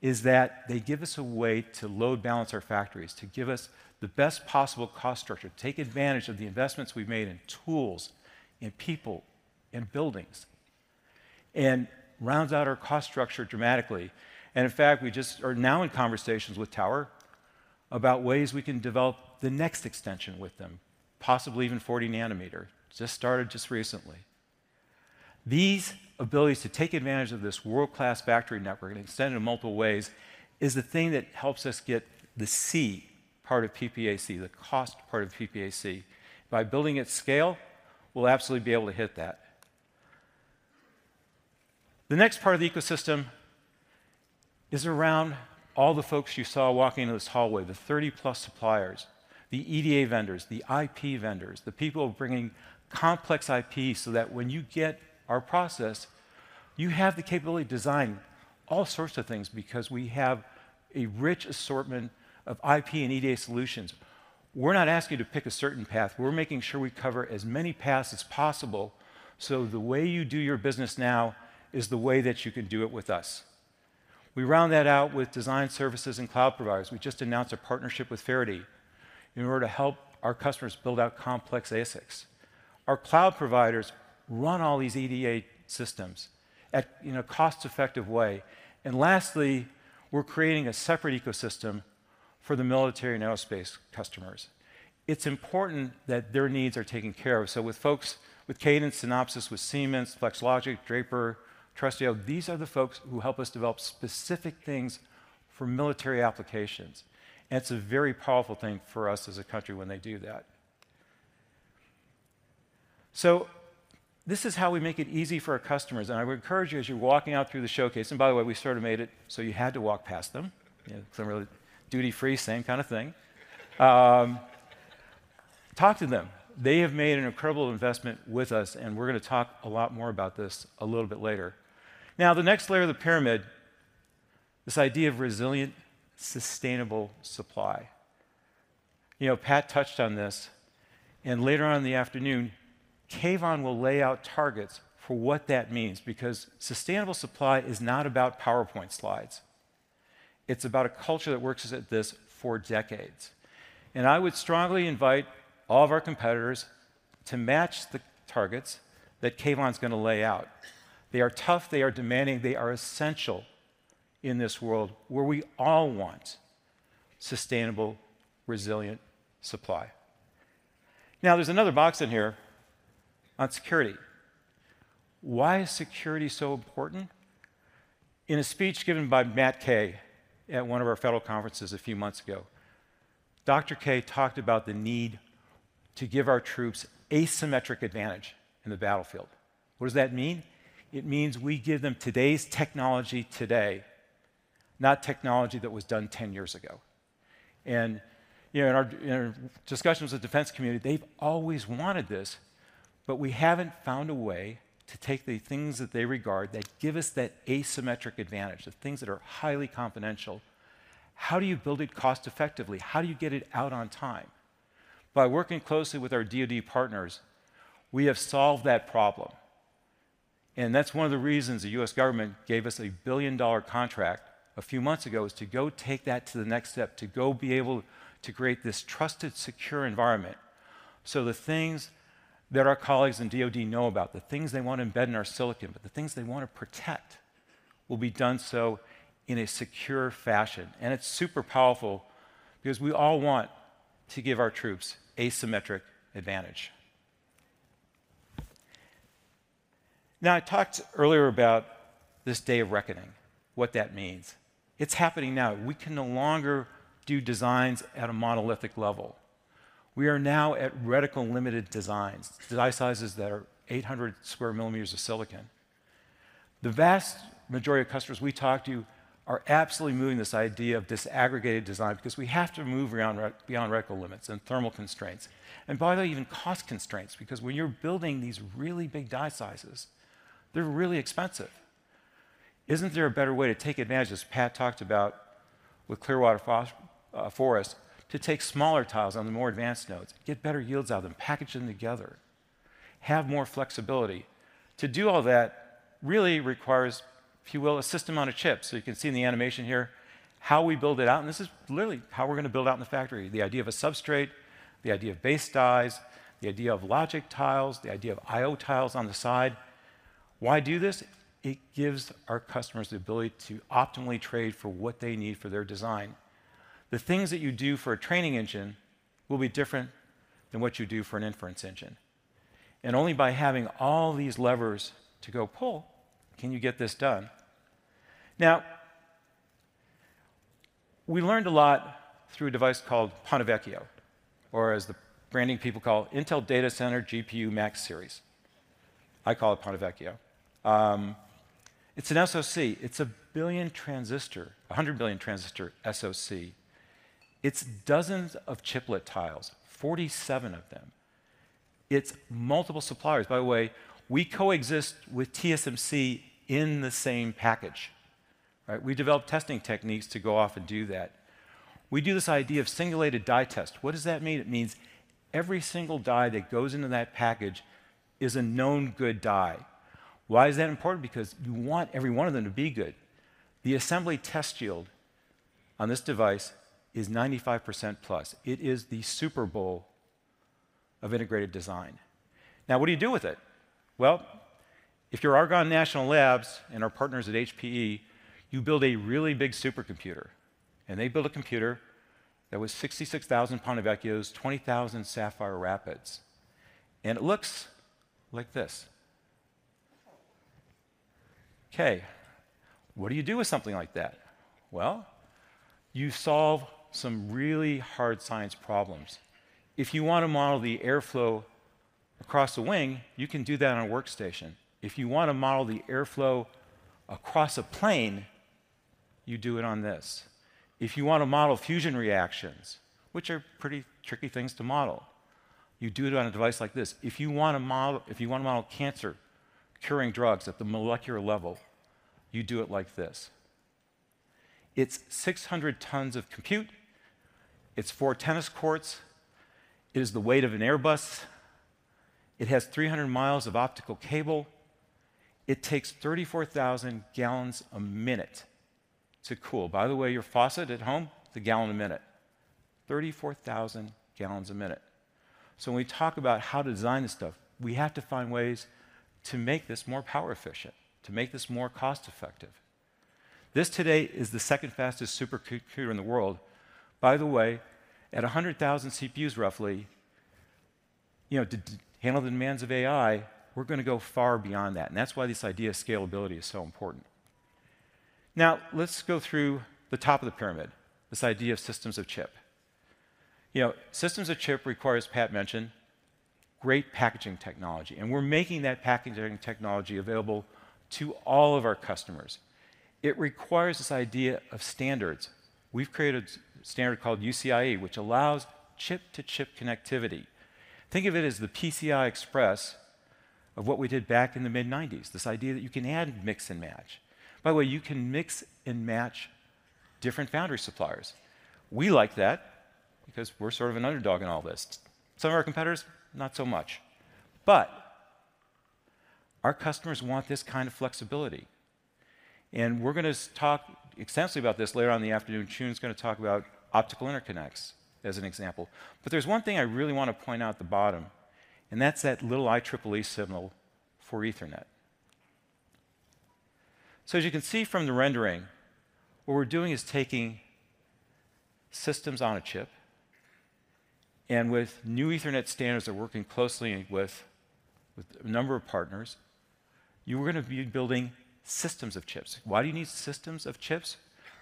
is that they give us a way to load balance our factories, to give us the best possible cost structure, take advantage of the investments we've made in tools, in people, in buildings, and rounds out our cost structure dramatically. In fact, we just are now in conversations with Tower about ways we can develop the next extension with them, possibly even 40 nm. Just started just recently. These abilities to take advantage of this world-class factory network and extend it in multiple ways is the thing that helps us get the C part of PPAC, the cost part of PPAC. By building at scale, we'll absolutely be able to hit that. The next part of the ecosystem is around all the folks you saw walking in this hallway, the 30+ suppliers, the EDA vendors, the IP vendors, the people bringing complex IP so that when you get our process, you have the capability to design all sorts of things because we have a rich assortment of IP and EDA solutions. We're not asking you to pick a certain path. We're making sure we cover as many paths as possible, so the way you do your business now is the way that you can do it with us. We round that out with design services and cloud providers. We just announced a partnership with Faraday in order to help our customers build out complex ASICs. Our cloud providers run all these EDA systems at, in a cost-effective way. And lastly, we're creating a separate ecosystem for the military and aerospace customers. It's important that their needs are taken care of. So with folks, with Cadence, Synopsys, with Siemens, Flex Logix, Draper, Trusted, these are the folks who help us develop specific things for military applications, and it's a very powerful thing for us as a country when they do that. So this is how we make it easy for our customers, and I would encourage you, as you're walking out through the showcase, and by the way, we sort of made it so you had to walk past them. You know, some really duty-free, same kind of thing. Talk to them. They have made an incredible investment with us, and we're gonna talk a lot more about this a little bit later. Now, the next layer of the pyramid, this idea of resilient, sustainable supply. You know, Pat touched on this, and later on in the afternoon, Keyvan will lay out targets for what that means, because sustainable supply is not about PowerPoint slides. It's about a culture that works at this for decades. And I would strongly invite all of our competitors to match the targets that Keyvan's gonna lay out. They are tough, they are demanding, they are essential in this world, where we all want sustainable, resilient supply. Now, there's another box in here on security. Why is security so important? In a speech given by Matt Kay at one of our federal conferences a few months ago, Dr. Kay talked about the need to give our troops asymmetric advantage in the battlefield. What does that mean? It means we give them today's technology today, not technology that was done 10 years ago. You know, in our discussions with the defense community, they've always wanted this, but we haven't found a way to take the things that they regard that give us that asymmetric advantage, the things that are highly confidential. How do you build it cost effectively? How do you get it out on time? By working closely with our DoD partners, we have solved that problem... and that's one of the reasons the U.S. government gave us a billion-dollar contract a few months ago, is to go take that to the next step, to go be able to create this trusted, secure environment. So the things that our colleagues in DoD know about, the things they want to embed in our silicon, but the things they want to protect, will be done so in a secure fashion. It's super powerful, because we all want to give our troops asymmetric advantage. Now, I talked earlier about this day of reckoning, what that means. It's happening now. We can no longer do designs at a monolithic level. We are now at reticle-limited designs, die sizes that are 800 square millimeters of silicon. The vast majority of customers we talk to are absolutely moving this idea of this aggregated design because we have to move beyond reticle limits and thermal constraints, and by the way, even cost constraints, because when you're building these really big die sizes, they're really expensive. Isn't there a better way to take advantage, as Pat talked about with Clearwater Forest, to take smaller tiles on the more advanced nodes, get better yields out of them, package them together, have more flexibility? To do all that really requires, if you will, a system on a chip. So you can see in the animation here how we build it out, and this is literally how we're gonna build out in the factory. The idea of a substrate, the idea of base dies, the idea of logic tiles, the idea of I/O tiles on the side. Why do this? It gives our customers the ability to optimally trade for what they need for their design. The things that you do for a training engine will be different than what you do for an inference engine, and only by having all these levers to go pull, can you get this done. Now, we learned a lot through a device called Ponte Vecchio, or as the branding people call it, Intel Data Center GPU Max Series. I call it Ponte Vecchio. It's an SoC. It's a 1 billion transistor, a 100 billion transistor SoC. It's dozens of chiplet tiles, 47 of them. It's multiple suppliers. By the way, we coexist with TSMC in the same package, right? We developed testing techniques to go off and do that. We do this idea of Singulated Die Test. What does that mean? It means every single die that goes into that package is a Known Good Die. Why is that important? Because you want every one of them to be good. The assembly test yield on this device is 95% plus. It is the Super Bowl of integrated design. Now, what do you do with it? Well, if you're Argonne National Labs and our partners at HPE, you build a really big supercomputer, and they built a computer that was 66,000 Ponte Vecchios, 20,000 Sapphire Rapids, and it looks like this. Okay, what do you do with something like that? Well, you solve some really hard science problems. If you want to model the airflow across a wing, you can do that on a workstation. If you want to model the airflow across a plane, you do it on this. If you want to model fusion reactions, which are pretty tricky things to model, you do it on a device like this. If you want to model, if you want to model cancer, curing drugs at the molecular level, you do it like this. It's 600 tons of compute. It's four tennis courts. It is the weight of an Airbus. It has 300 miles of optical cable. It takes 34,000 gallons a minute to cool. By the way, your faucet at home, it's 1 gallon a minute. 34,000 gallons a minute. So when we talk about how to design this stuff, we have to find ways to make this more power efficient, to make this more cost-effective. This today is the second fastest supercomputer in the world. By the way, at 100,000 CPUs, roughly, you know, to handle the demands of AI, we're gonna go far beyond that, and that's why this idea of scalability is so important. Now, let's go through the top of the pyramid, this idea of systems of chips. You know, systems of chips require, as Pat mentioned, great packaging technology, and we're making that packaging technology available to all of our customers. It requires this idea of standards. We've created a standard called UCIe, which allows chip-to-chip connectivity. Think of it as the PCI Express of what we did back in the mid-1990s, this idea that you can add and mix and match. By the way, you can mix and match different foundry suppliers. We like that because we're sort of an underdog in all this. Some of our competitors, not so much. But our customers want this kind of flexibility, and we're gonna talk extensively about this later on in the afternoon. Choon is gonna talk about optical interconnects as an example. But there's one thing I really want to point out at the bottom, and that's that little IEEE symbol for Ethernet. So as you can see from the rendering, what we're doing is taking systems on a chip, and with new Ethernet standards, we're working closely with a number of partners, you are gonna be building systems of chips. Why do you need systems of chips?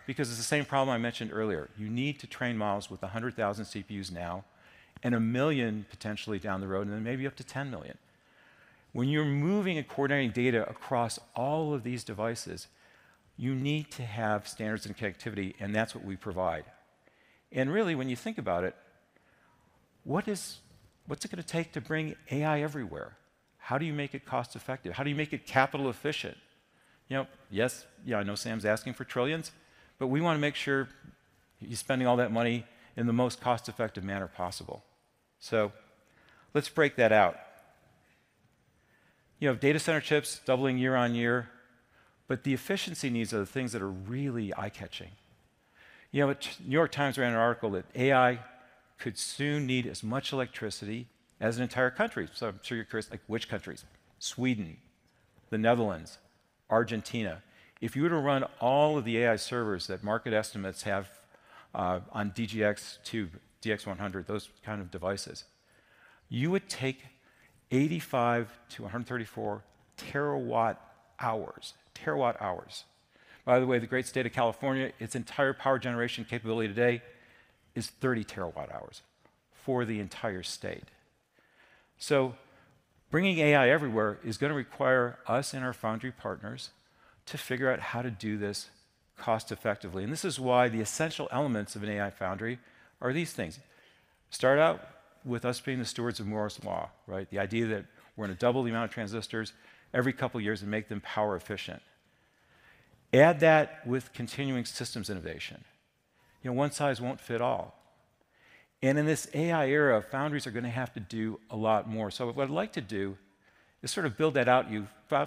Because it's the same problem I mentioned earlier. You need to train models with 100,000 CPUs now, and 1 million potentially down the road, and then maybe up to 10 million. When you're moving and coordinating data across all of these devices, you need to have standards and connectivity, and that's what we provide. And really, when you think about it, what is... what's it gonna take to bring AI everywhere? How do you make it cost-effective? How do you make it capital efficient?... You know, yes, yeah, I know Sam's asking for trillions, but we wanna make sure he's spending all that money in the most cost-effective manner possible. So let's break that out. You have data center chips doubling year-over-year, but the efficiency needs are the things that are really eye-catching. You know, the New York Times ran an article that AI could soon need as much electricity as an entire country. So I'm sure you're curious, like, which countries? Sweden, the Netherlands, Argentina. If you were to run all of the AI servers that market estimates have on DGX-2, DGX-100, those kind of devices, you would take 85 TWh-134 TWh. TWh. By the way, the great state of California, its entire power generation capability today is 30 TWh for the entire state. So bringing AI everywhere is gonna require us and our foundry partners to figure out how to do this cost effectively, and this is why the essential elements of an AI foundry are these things: Start out with us being the stewards of Moore's Law, right? The idea that we're gonna double the amount of transistors every couple of years and make them power efficient. Add that with continuing systems innovation. You know, one size won't fit all. And in this AI era, foundries are gonna have to do a lot more. So what I'd like to do is sort of build that out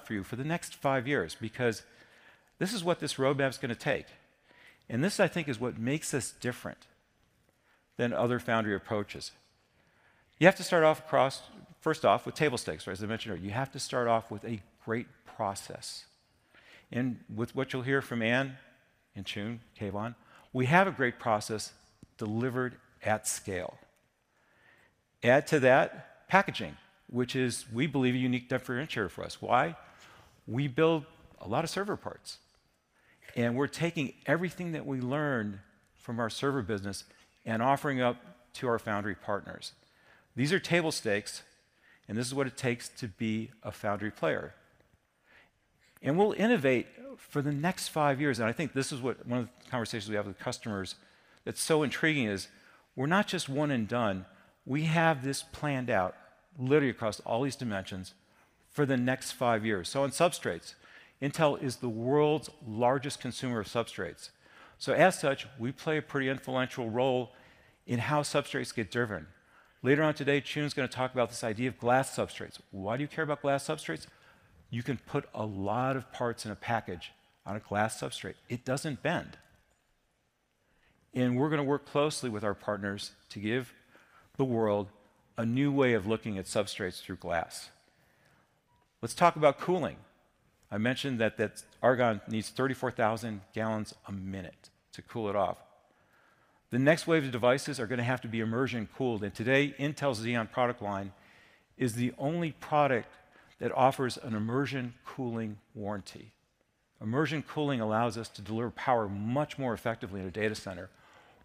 for you for the next five years, because this is what this roadmap is gonna take. And this, I think, is what makes us different than other foundry approaches. You have to start off across - first off, with table stakes, right? As I mentioned earlier, you have to start off with a great process. And with what you'll hear from Ann, and Choon, Keyvan, we have a great process delivered at scale. Add to that, packaging, which is, we believe, a unique differentiator for us. Why? We build a lot of server parts, and we're taking everything that we learned from our server business and offering up to our foundry partners. These are table stakes, and this is what it takes to be a foundry player. We'll innovate for the next five years, and I think this is what one of the conversations we have with customers that's so intriguing is, we're not just one and done. We have this planned out, literally across all these dimensions for the next five years. So in substrates, Intel is the world's largest consumer of substrates. So as such, we play a pretty influential role in how substrates get driven. Later on today, Choon is gonna talk about this idea of glass substrates. Why do you care about glass substrates? You can put a lot of parts in a package on a glass substrate. It doesn't bend. We're gonna work closely with our partners to give the world a new way of looking at substrates through glass. Let's talk about cooling. I mentioned that Aurora needs 34,000 gallons a minute to cool it off. The next wave of devices are gonna have to be immersion cooled, and today, Intel's Xeon product line is the only product that offers an immersion cooling warranty. Immersion cooling allows us to deliver power much more effectively in a data center.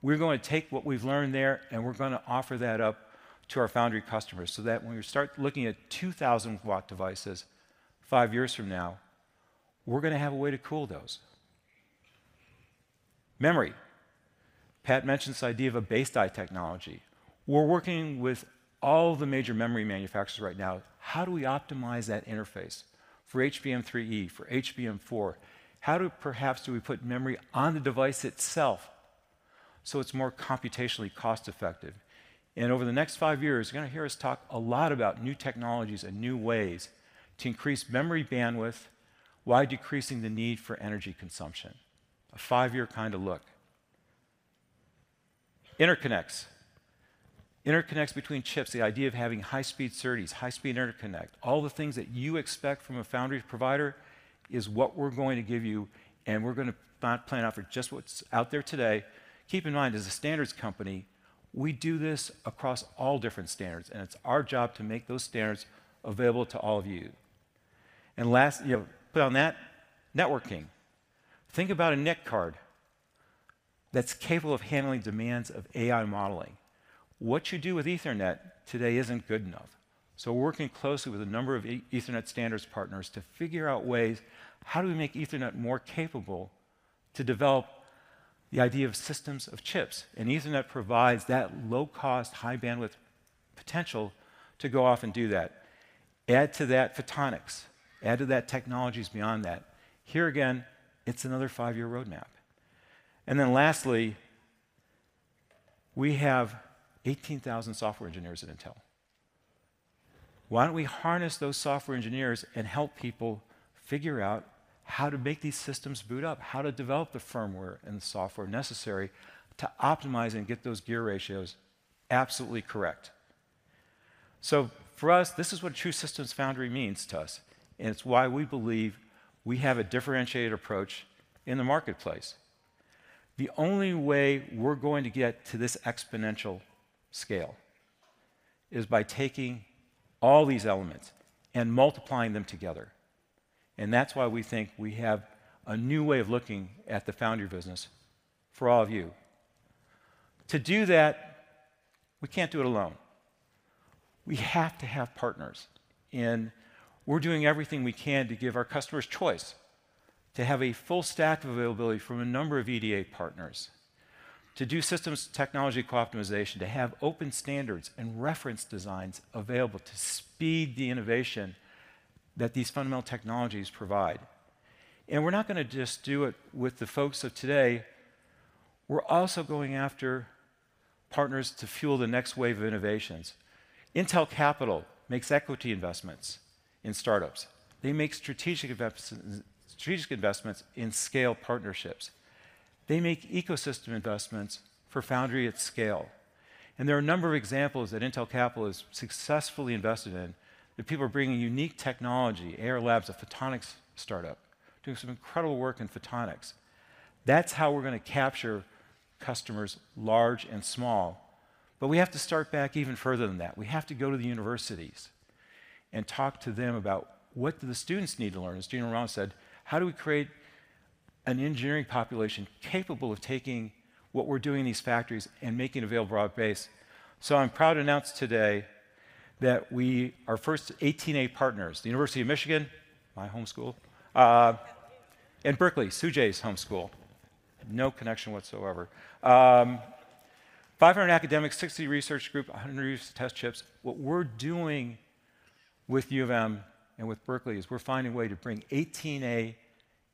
We're going to take what we've learned there, and we're gonna offer that up to our foundry customers so that when we start looking at 2,000 W devices five years from now, we're gonna have a way to cool those. Memory. Pat mentioned this idea of a base die technology. We're working with all the major memory manufacturers right now. How do we optimize that interface for HBM3E, for HBM4? How do, perhaps, do we put memory on the device itself, so it's more computationally cost-effective? And over the next five years, you're gonna hear us talk a lot about new technologies and new ways to increase memory bandwidth, while decreasing the need for energy consumption. A five-year kinda look. Interconnects. Interconnects between chips, the idea of having high-speed SerDes, high-speed interconnect, all the things that you expect from a foundry provider is what we're going to give you, and we're gonna not plan out for just what's out there today. Keep in mind, as a standards company, we do this across all different standards, and it's our job to make those standards available to all of you. And last, you know, put on that, networking. Think about a NIC card that's capable of handling demands of AI modeling. What you do with Ethernet today isn't good enough. So we're working closely with a number of Ethernet standards partners to figure out ways, how do we make Ethernet more capable to develop the idea of systems of chips? And Ethernet provides that low cost, high bandwidth potential to go off and do that. Add to that photonics, add to that technologies beyond that. Here again, it's another five-year roadmap. And then lastly, we have 18,000 software engineers at Intel. Why don't we harness those software engineers and help people figure out how to make these systems boot up, how to develop the firmware and software necessary to optimize and get those gear ratios absolutely correct? So for us, this is what true systems foundry means to us, and it's why we believe we have a differentiated approach in the marketplace. The only way we're going to get to this exponential scale is by taking all these elements and multiplying them together, and that's why we think we have a new way of looking at the foundry business for all of you. To do that, we can't do it alone. We have to have partners, and we're doing everything we can to give our customers choice, to have a full stack of availability from a number of EDA partners... to do Systems Technology Co-Optimization, to have open standards and reference designs available to speed the innovation that these fundamental technologies provide. We're not gonna just do it with the folks of today, we're also going after partners to fuel the next wave of innovations. Intel Capital makes equity investments in startups. They make strategic investments in scale partnerships. They make ecosystem investments for foundry at scale, and there are a number of examples that Intel Capital has successfully invested in, that people are bringing unique technology. Ayar Labs, a photonics startup, doing some incredible work in photonics. That's how we're gonna capture customers large and small. But we have to start back even further than that. We have to go to the universities and talk to them about what do the students need to learn? As Gina Raimondo said, "How do we create an engineering population capable of taking what we're doing in these factories and making it available broad base?" So I'm proud to announce today that we... Our first 18A partners, the University of Michigan, my home school, and Berkeley, Tsu-Jae's home school. No connection whatsoever. 500 academics, 60 research group, 100 use test chips. What we're doing with U of M and with Berkeley is we're finding a way to bring 18A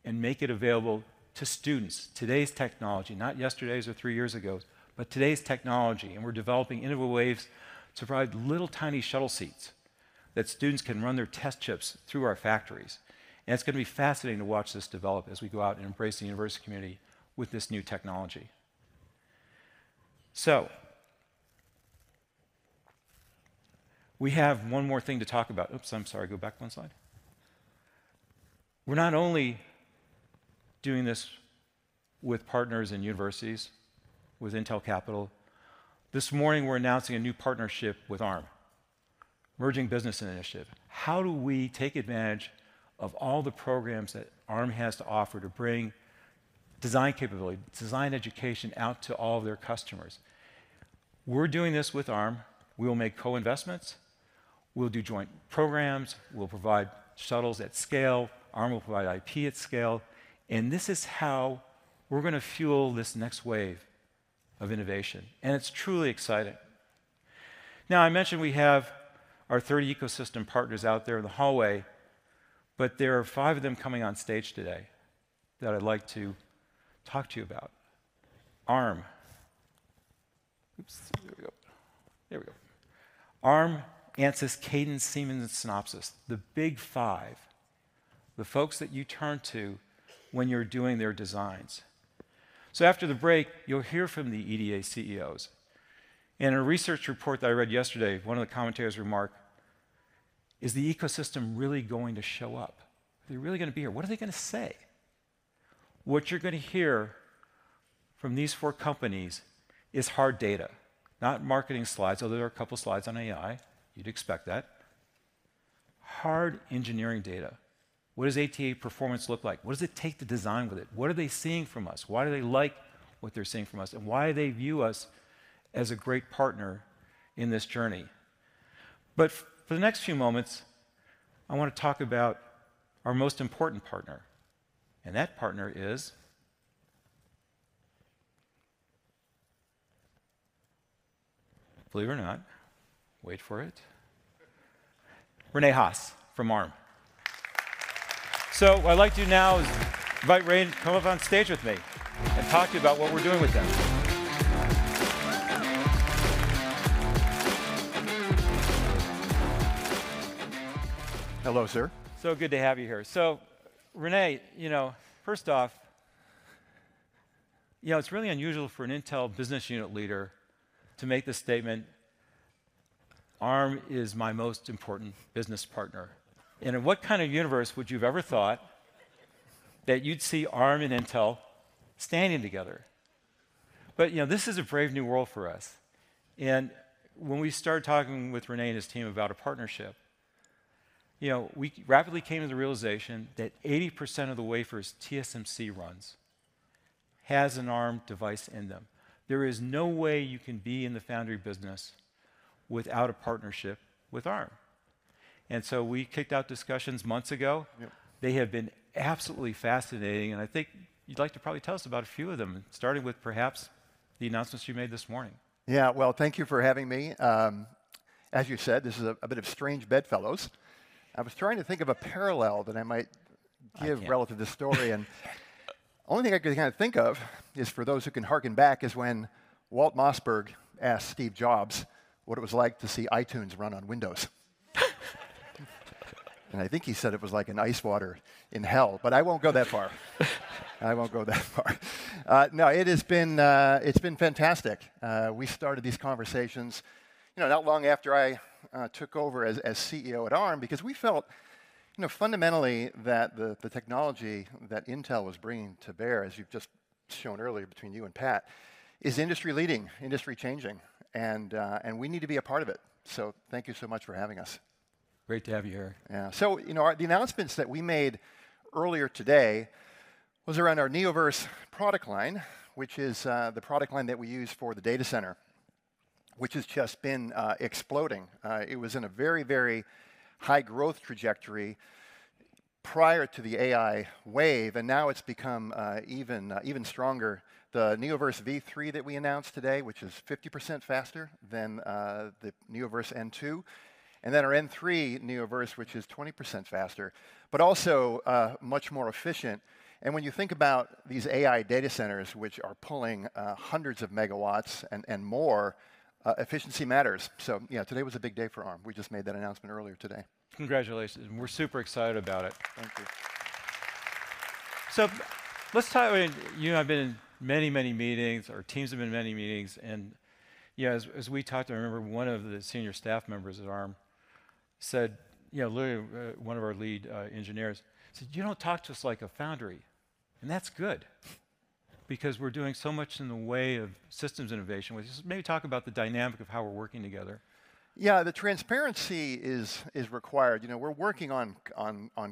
and make it available to students. Today's technology, not yesterday's or three years ago's, but today's technology, and we're developing innovative ways to provide little, tiny shuttle seats that students can run their test chips through our factories. It's gonna be fascinating to watch this develop as we go out and embrace the university community with this new technology. We have one more thing to talk about. Oops, I'm sorry, go back one slide. We're not only doing this with partners in universities, with Intel Capital; this morning we're announcing a new partnership with Arm, Emerging Business Initiative. How do we take advantage of all the programs that Arm has to offer to bring design capability, design education out to all of their customers? We're doing this with Arm. We will make co-investments, we'll do joint programs, we'll provide shuttles at scale, Arm will provide IP at scale, and this is how we're gonna fuel this next wave of innovation, and it's truly exciting. Now, I mentioned we have our 30 ecosystem partners out there in the hallway, but there are five of them coming on stage today that I'd like to talk to you about. Arm... Oops, there we go. There we go. Arm, Ansys, Cadence, Siemens, and Synopsys, the Big 5, the folks that you turn to when you're doing their designs. So after the break, you'll hear from the EDA CEOs. In a research report that I read yesterday, one of the commentators remarked: "Is the ecosystem really going to show up? Are they really gonna be here? What are they gonna say?" What you're gonna hear from these four companies is hard data, not marketing slides, although there are a couple of slides on AI, you'd expect that. Hard engineering data. What does 18A performance look like? What does it take to design with it? What are they seeing from us? Why do they like what they're seeing from us, and why they view us as a great partner in this journey? But for the next few moments, I wanna talk about our most important partner, and that partner is, believe it or not, wait for it, Rene Haas from Arm. So what I'd like to do now is invite Rene to come up on stage with me and talk to you about what we're doing with them. Hello, sir. So good to have you here. So Rene, you know, first off, you know, it's really unusual for an Intel business unit leader to make the statement: "Arm is my most important business partner." And in what kind of universe would you have ever thought that you'd see Arm and Intel standing together? But, you know, this is a brave new world for us, and when we started talking with Rene and his team about a partnership, you know, we rapidly came to the realization that 80% of the wafers TSMC runs has an Arm device in them. There is no way you can be in the foundry business without a partnership with Arm, and so we kicked out discussions months ago. Yep. They have been absolutely fascinating, and I think you'd like to probably tell us about a few of them, starting with perhaps the announcements you made this morning. Yeah. Well, thank you for having me. As you said, this is a bit of strange bedfellows. I was trying to think of a parallel that I might give- I can't.... relative to this story, and only thing I could kinda think of is for those who can harken back, is when Walt Mossberg asked Steve Jobs what it was like to see iTunes run on Windows. And I think he said it was like an ice water in hell, but I won't go that far. I won't go that far. No, it has been, it's been fantastic. We started these conversations, you know, not long after I took over as CEO at Arm, because we felt, you know, fundamentally, that the technology that Intel was bringing to bear, as you've just shown earlier between you and Pat, is industry leading, industry changing, and we need to be a part of it. So thank you so much for having us. Great to have you here. Yeah. So, you know, our... The announcements that we made earlier today was around our Neoverse product line, which is, the product line that we use for the data center.... which has just been, exploding. It was in a very, very high growth trajectory prior to the AI wave, and now it's become, even, even stronger. The Neoverse V3 that we announced today, which is 50% faster than, the Neoverse N2, and then our Neoverse N3, which is 20% faster, but also, much more efficient. And when you think about these AI data centers, which are pulling, hundreds of megawatts and, and more, efficiency matters. So, you know, today was a big day for Arm. We just made that announcement earlier today. Congratulations, and we're super excited about it. Thank you. So let's talk, you and I have been in many, many meetings, our teams have been in many meetings, and, yeah, as we talked, I remember one of the senior staff members at Arm said, you know, literally, one of our lead engineers said, "You don't talk to us like a foundry." And that's good because we're doing so much in the way of systems innovation, which is maybe talk about the dynamic of how we're working together. Yeah, the transparency is required. You know, we're working on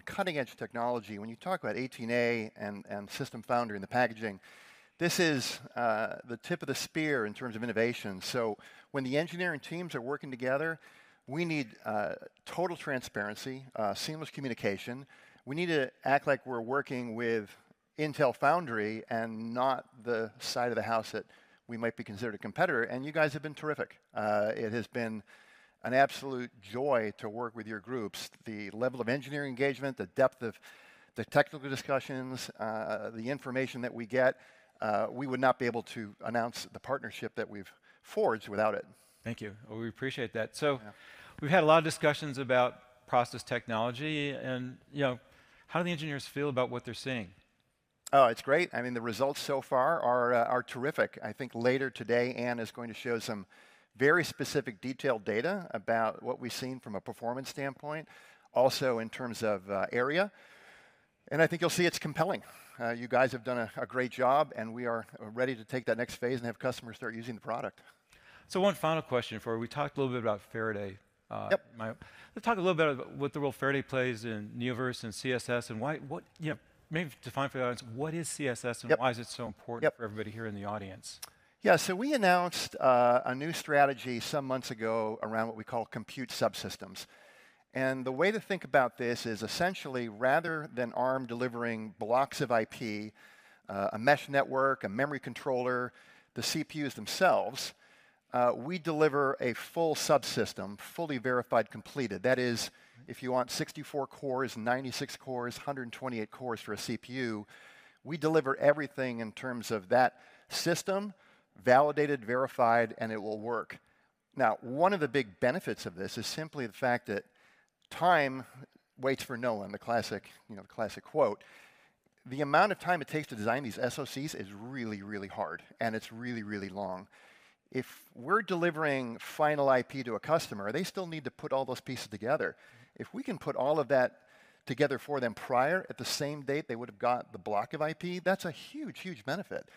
cutting-edge technology. When you talk about 18A and Intel Foundry and the packaging, this is the tip of the spear in terms of innovation. So when the engineering teams are working together, we need total transparency, seamless communication. We need to act like we're working with Intel Foundry and not the side of the house that we might be considered a competitor, and you guys have been terrific. It has been an absolute joy to work with your groups. The level of engineering engagement, the depth of the technical discussions, the information that we get, we would not be able to announce the partnership that we've forged without it. Thank you. Well, we appreciate that. Yeah. So we've had a lot of discussions about process technology, and, you know, how do the engineers feel about what they're seeing? Oh, it's great. I mean, the results so far are terrific. I think later today, Ann is going to show some very specific detailed data about what we've seen from a performance standpoint, also in terms of area. And I think you'll see it's compelling. You guys have done a great job, and we are ready to take that next phase and have customers start using the product. So one final question before we talked a little bit about Faraday. Yep. Let's talk a little bit about what the role Faraday plays in Neoverse and CSS, and why, what... You know, maybe define for the audience, what is CSS? Yep. and why is it so important- Yep for everybody here in the audience? Yeah, so we announced a new strategy some months ago around what we call compute subsystems. And the way to think about this is essentially, rather than Arm delivering blocks of IP, a mesh network, a memory controller, the CPUs themselves, we deliver a full subsystem, fully verified, completed. That is, if you want 64 cores, 96 cores, 128 cores for a CPU, we deliver everything in terms of that system, validated, verified, and it will work. Now, one of the big benefits of this is simply the fact that time waits for no one, the classic, you know, classic quote. The amount of time it takes to design these SoCs is really, really hard, and it's really, really long. If we're delivering final IP to a customer, they still need to put all those pieces together. If we can put all of that together for them prior, at the same date, they would have got the block of IP, that's a huge, huge benefit.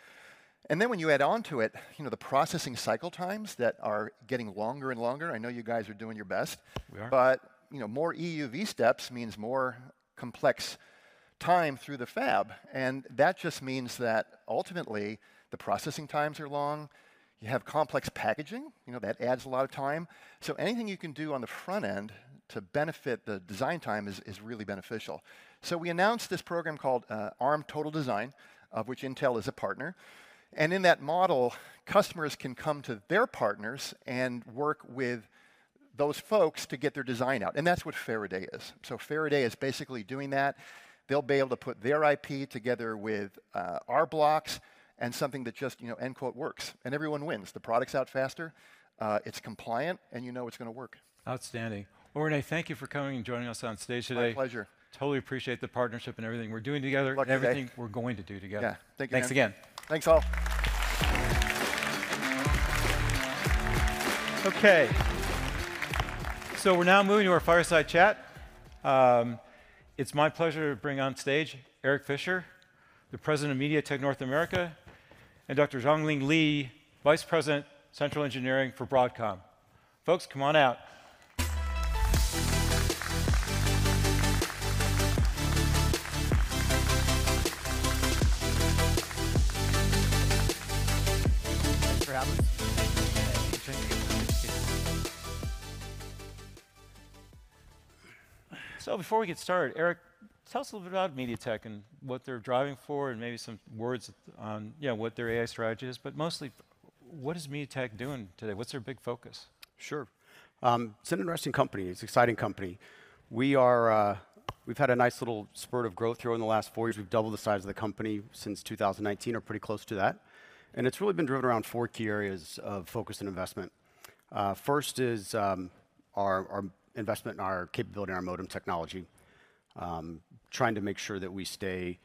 And then when you add on to it, you know, the processing cycle times that are getting longer and longer, I know you guys are doing your best. We are. But, you know, more EUV steps means more complex time through the fab, and that just means that ultimately, the processing times are long. You have complex packaging, you know, that adds a lot of time. So anything you can do on the front end to benefit the design time is really beneficial. So we announced this program called Arm Total Design, of which Intel is a partner. And in that model, customers can come to their partners and work with those folks to get their design out, and that's what Faraday is. So Faraday is basically doing that. They'll be able to put their IP together with our blocks and something that just, you know, end quote, "works," and everyone wins. The product's out faster, it's compliant, and you know it's gonna work. Outstanding. Well, Rene, thank you for coming and joining us on stage today. My pleasure. Totally appreciate the partnership and everything we're doing together- Good luck today.... and everything we're going to do together. Yeah. Thank you. Thanks again. Thanks, all. Okay, so we're now moving to our fireside chat. It's my pleasure to bring on stage Eric Fisher, the President of MediaTek North America, and Dr. Yuan Xing Lee, Vice President, Central Engineering for Broadcom. Folks, come on out. Thanks for having me. Thank you. So before we get started, Eric, tell us a little bit about MediaTek and what they're driving for, and maybe some words on, you know, what their AI strategy is. But mostly, what is MediaTek doing today? What's their big focus? Sure. It's an interesting company. It's an exciting company. We are, we've had a nice little spurt of growth here over the last four years. We've doubled the size of the company since 2019, or pretty close to that. And it's really been driven around four key areas of focus and investment. First is our investment in our capability and our modem technology, trying to make sure that we stay,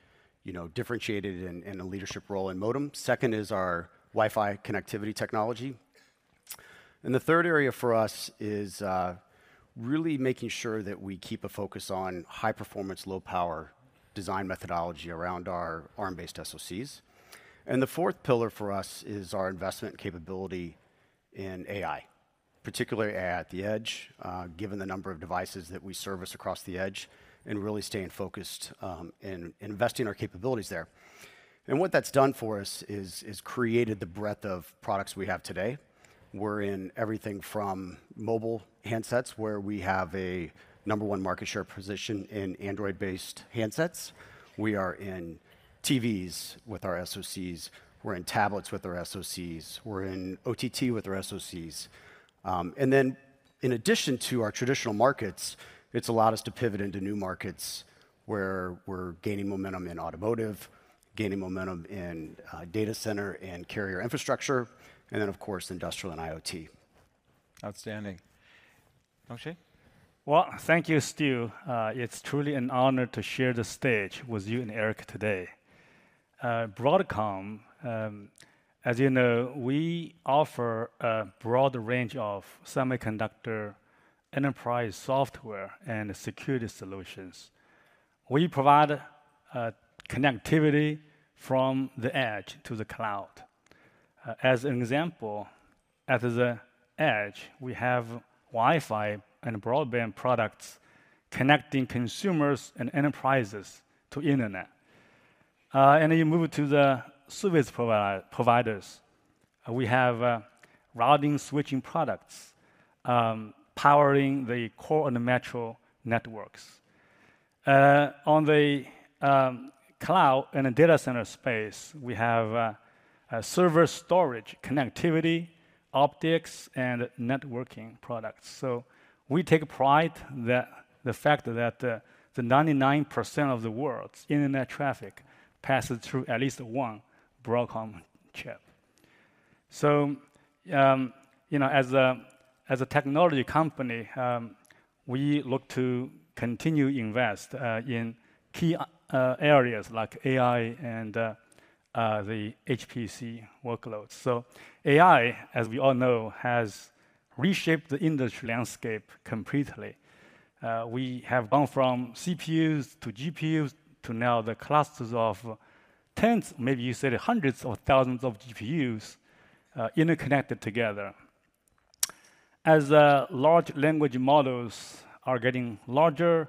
you know, differentiated in a leadership role in modem. Second is our Wi-Fi connectivity technology. And the third area for us is really making sure that we keep a focus on high performance, low power design methodology around our Arm-based SoCs. And the fourth pillar for us is our investment capability in AI. particularly at the edge, given the number of devices that we service across the edge, and really staying focused, and investing our capabilities there. And what that's done for us is created the breadth of products we have today. We're in everything from mobile handsets, where we have a number one market share position in Android-based handsets. We are in TVs with our SoCs, we're in tablets with our SoCs, we're in OTT with our SoCs. And then in addition to our traditional markets, it's allowed us to pivot into new markets, where we're gaining momentum in automotive, gaining momentum in data center and carrier infrastructure, and then, of course, industrial and IoT. Outstanding. Yuan Xing? Well, thank you, Stu. It's truly an honor to share the stage with you and Eric today. Broadcom, as you know, we offer a broad range of semiconductor enterprise software and security solutions. We provide connectivity from the edge to the cloud. As an example, at the edge, we have Wi-Fi and broadband products connecting consumers and enterprises to internet. And you move it to the service providers, we have routing, switching products powering the core and the metro networks. On the cloud and the data center space, we have server storage, connectivity, optics, and networking products. So we take pride that the fact that the 99% of the world's internet traffic passes through at least one Broadcom chip. So, you know, as a technology company, we look to continue invest in key areas like AI and the HPC workloads. So AI, as we all know, has reshaped the industry landscape completely. We have gone from CPUs to GPUs, to now the clusters of tens, maybe you said hundreds or thousands of GPUs, interconnected together. As large language models are getting larger,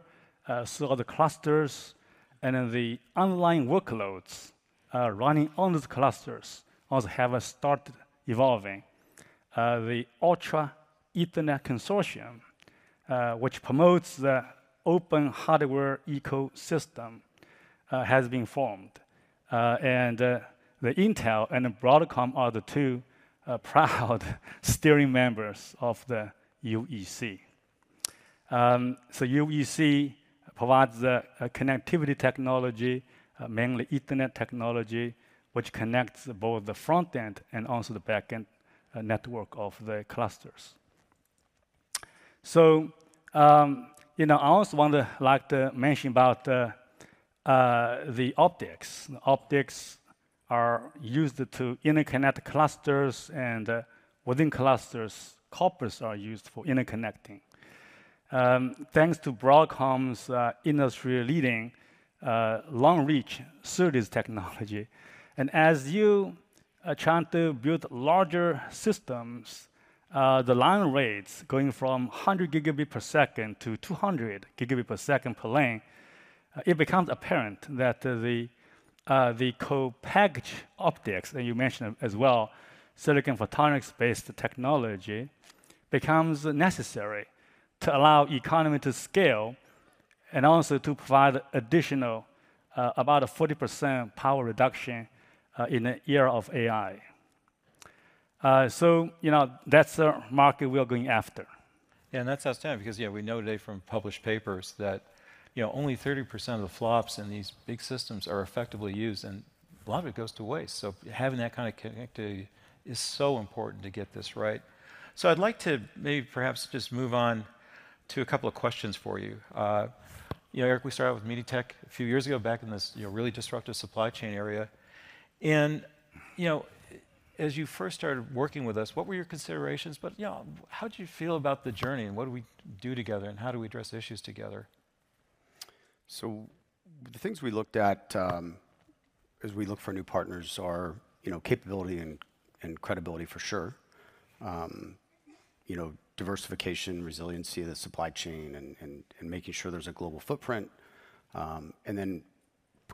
so are the clusters, and then the underlying workloads running on the clusters also have started evolving. The Ultra Ethernet Consortium, which promotes the open hardware ecosystem, has been formed, and the Intel and Broadcom are the two proud steering members of the UEC. So UEC provides the connectivity technology, mainly Ethernet technology, which connects both the front end and also the back end network of the clusters. So, you know, I also want to like to mention about the optics. Optics are used to interconnect clusters, and within clusters, coppers are used for interconnecting. Thanks to Broadcom's industry-leading long-reach SerDes technology. And as you are trying to build larger systems, the line rates going from 100 Gbps to 200 Gbps per lane, it becomes apparent that the co-packaged optics, and you mentioned them as well, silicon photonics-based technology, becomes necessary to allow economy to scale and also to provide additional about a 40% power reduction in the era of AI. You know, that's the market we are going after. Yeah, and that's outstanding because, yeah, we know today from published papers that, you know, only 30% of the flops in these big systems are effectively used, and a lot of it goes to waste. So having that kind of connectivity is so important to get this right. So I'd like to maybe perhaps just move on to a couple of questions for you. You know, Eric, we started out with MediaTek a few years ago back in this, you know, really disruptive supply chain area. And, you know, as you first started working with us, what were your considerations? But, you know, how do you feel about the journey, and what do we do together, and how do we address issues together? So the things we looked at, as we look for new partners are, you know, capability and credibility, for sure. You know, diversification, resiliency of the supply chain, and making sure there's a global footprint. And then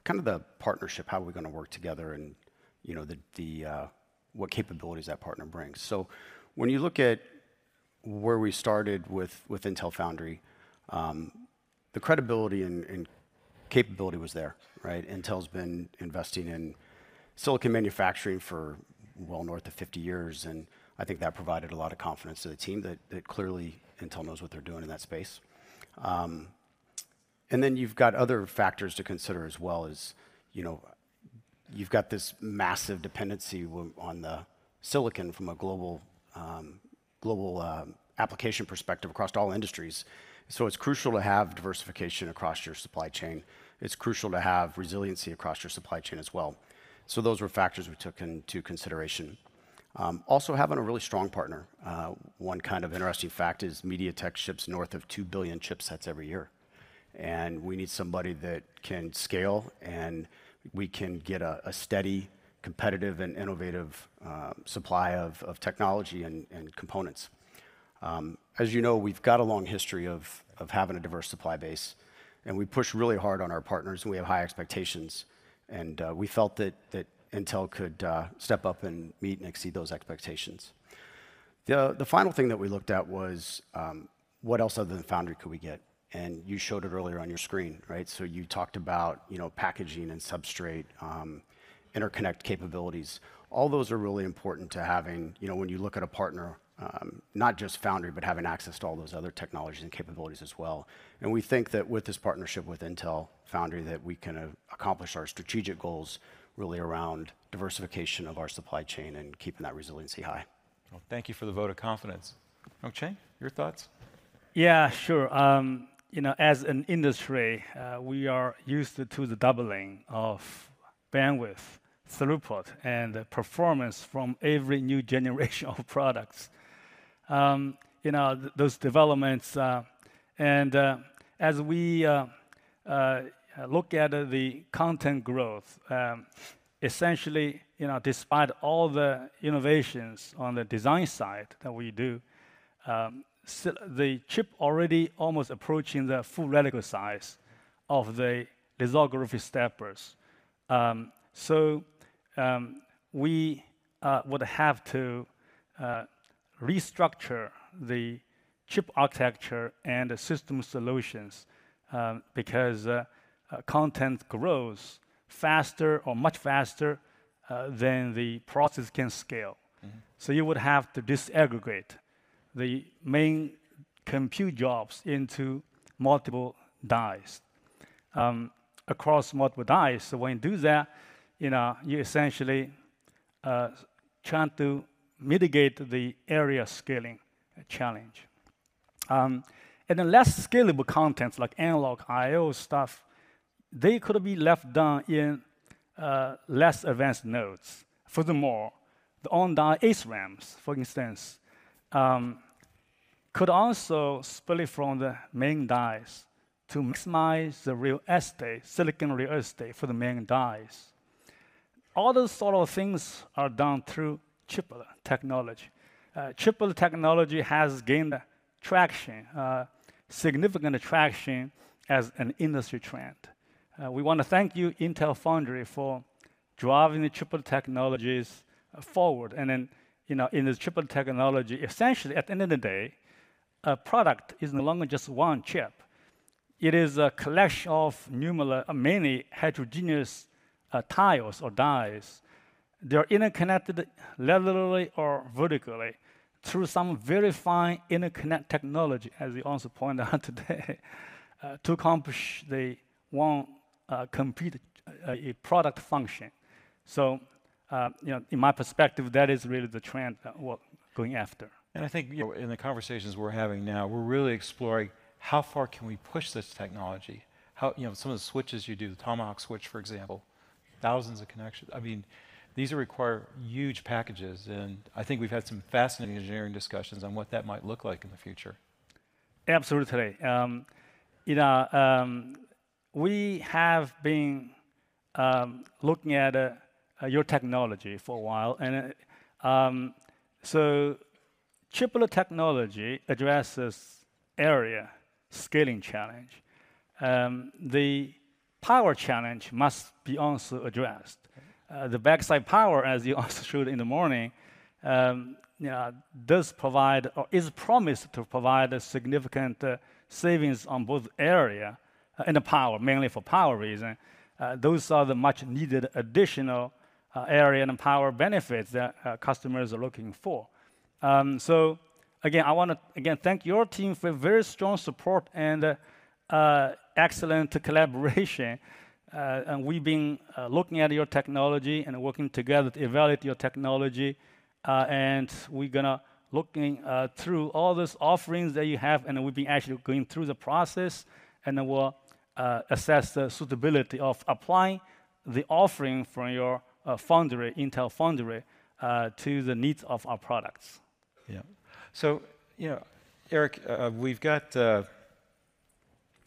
kind of the partnership, how are we gonna work together and, you know, the what capabilities that partner brings. So when you look at where we started with Intel Foundry, the credibility and capability was there, right? Intel's been investing in silicon manufacturing for well north of 50 years, and I think that provided a lot of confidence to the team that clearly Intel knows what they're doing in that space. And then you've got other factors to consider as well, as you know, you've got this massive dependency on the silicon from a global, global, application perspective across all industries. So it's crucial to have diversification across your supply chain. It's crucial to have resiliency across your supply chain as well. So those were factors we took into consideration. Also having a really strong partner. One kind of interesting fact is, MediaTek ships north of two billion chipsets every year, and we need somebody that can scale, and we can get a steady, competitive, and innovative supply of technology and components. As you know, we've got a long history of having a diverse supply base, and we push really hard on our partners, and we have high expectations. And, we felt that, that Intel could, step up and meet and exceed those expectations. The, the final thing that we looked at was, what else other than foundry could we get? And you showed it earlier on your screen, right? So you talked about, you know, packaging and substrate, interconnect capabilities. All those are really important to having, you know, when you look at a partner, not just foundry, but having access to all those other technologies and capabilities as well. And we think that with this partnership with Intel Foundry, that we can, accomplish our strategic goals really around diversification of our supply chain and keeping that resiliency high. Well, thank you for the vote of confidence. Yuan Xing, your thoughts? Yeah, sure. You know, as an industry, we are used to the doubling of bandwidth, throughput, and performance from every new generation of products. You know, those developments, and as we look at the content growth, essentially, you know, despite all the innovations on the design side that we do, the chip already almost approaching the full reticle size of the lithography steppers. So, we would have to restructure the chip architecture and the system solutions, because content grows faster or much faster than the process can scale. So you would have to disaggregate the main compute jobs into multiple dies. Across multiple dies, so when you do that, you know, you essentially trying to mitigate the area scaling challenge. And the less scalable contents, like analog I/O stuff, they could be left done in less advanced nodes. Furthermore, the on-die SRAMs, for instance, could also split from the main dies to maximize the real estate, silicon real estate for the main dies. All those sort of things are done through chiplet technology. Chiplet technology has gained traction, significant traction as an industry trend. We wanna thank you, Intel Foundry, for driving the chiplet technologies forward. And then, you know, in the chiplet technology, essentially, at the end of the day, a product is no longer just one chip. It is a collection of numerous, many heterogeneous tiles or dies. They are interconnected laterally or vertically through some very fine interconnect technology, as we also pointed out today, to accomplish the one complete a product function. So, you know, in my perspective, that is really the trend we're going after. I think, you know, in the conversations we're having now, we're really exploring: How far can we push this technology? How... You know, some of the switches you do, the Tomahawk switch, for example, thousands of connections. I mean, these require huge packages, and I think we've had some fascinating engineering discussions on what that might look like in the future. Absolutely. You know, we have been looking at your technology for a while, and so chiplet technology addresses area scaling challenge. The power challenge must be also addressed. The backside power, as you also showed in the morning, you know, does provide or is promised to provide a significant savings on both area and the power, mainly for power reason. Those are the much needed additional area and power benefits that customers are looking for. \ So again, I wanna, again, thank your team for a very strong support and excellent collaboration. And we've been looking at your technology and working together to evaluate your technology. And we're gonna looking through all these offerings that you have, and we'll be actually going through the process, and then we'll assess the suitability of applying the offering from your foundry, Intel Foundry, to the needs of our products. Yeah. So, you know, Eric, we've got,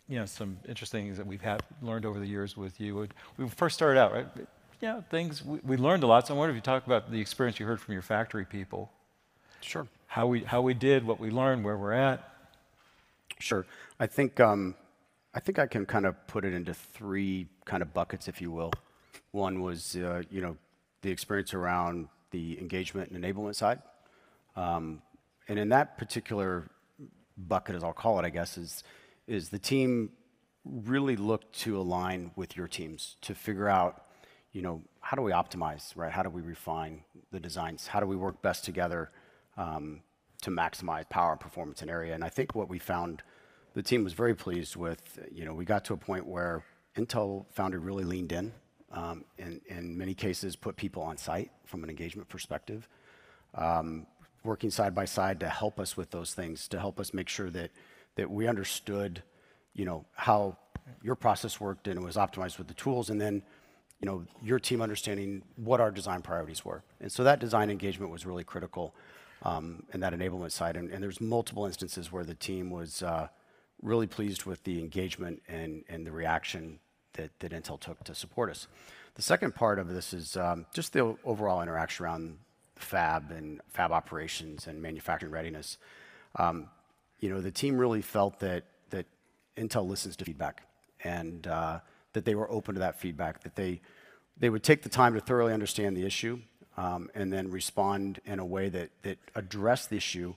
you know, some interesting things that we've had learned over the years with you. When we first started out, right? You know, things, we, we learned a lot. So I wonder if you talk about the experience you heard from your factory people. Sure. How we did, what we learned, where we're at. Sure. I think, I think I can kind of put it into three kind of buckets, if you will. One was, you know, the experience around the engagement and enablement side. And in that particular bucket, as I'll call it, I guess, is the team really looked to align with your teams to figure out, you know, how do we optimize, right? How do we refine the designs? How do we work best together, to maximize power, performance, and area? I think what we found the team was very pleased with, you know, we got to a point where Intel Foundry really leaned in, and, in many cases, put people on site from an engagement perspective, working side by side to help us with those things, to help us make sure that, that we understood, you know, how your process worked, and it was optimized with the tools, and then, you know, your team understanding what our design priorities were. And so that design engagement was really critical in that enablement side. And there's multiple instances where the team was really pleased with the engagement and, and the reaction that, that Intel took to support us. The second part of this is just the overall interaction around fab and fab operations and manufacturing readiness. You know, the team really felt that, that Intel listens to feedback, and that they were open to that feedback, that they, they would take the time to thoroughly understand the issue, and then respond in a way that, that addressed the issue.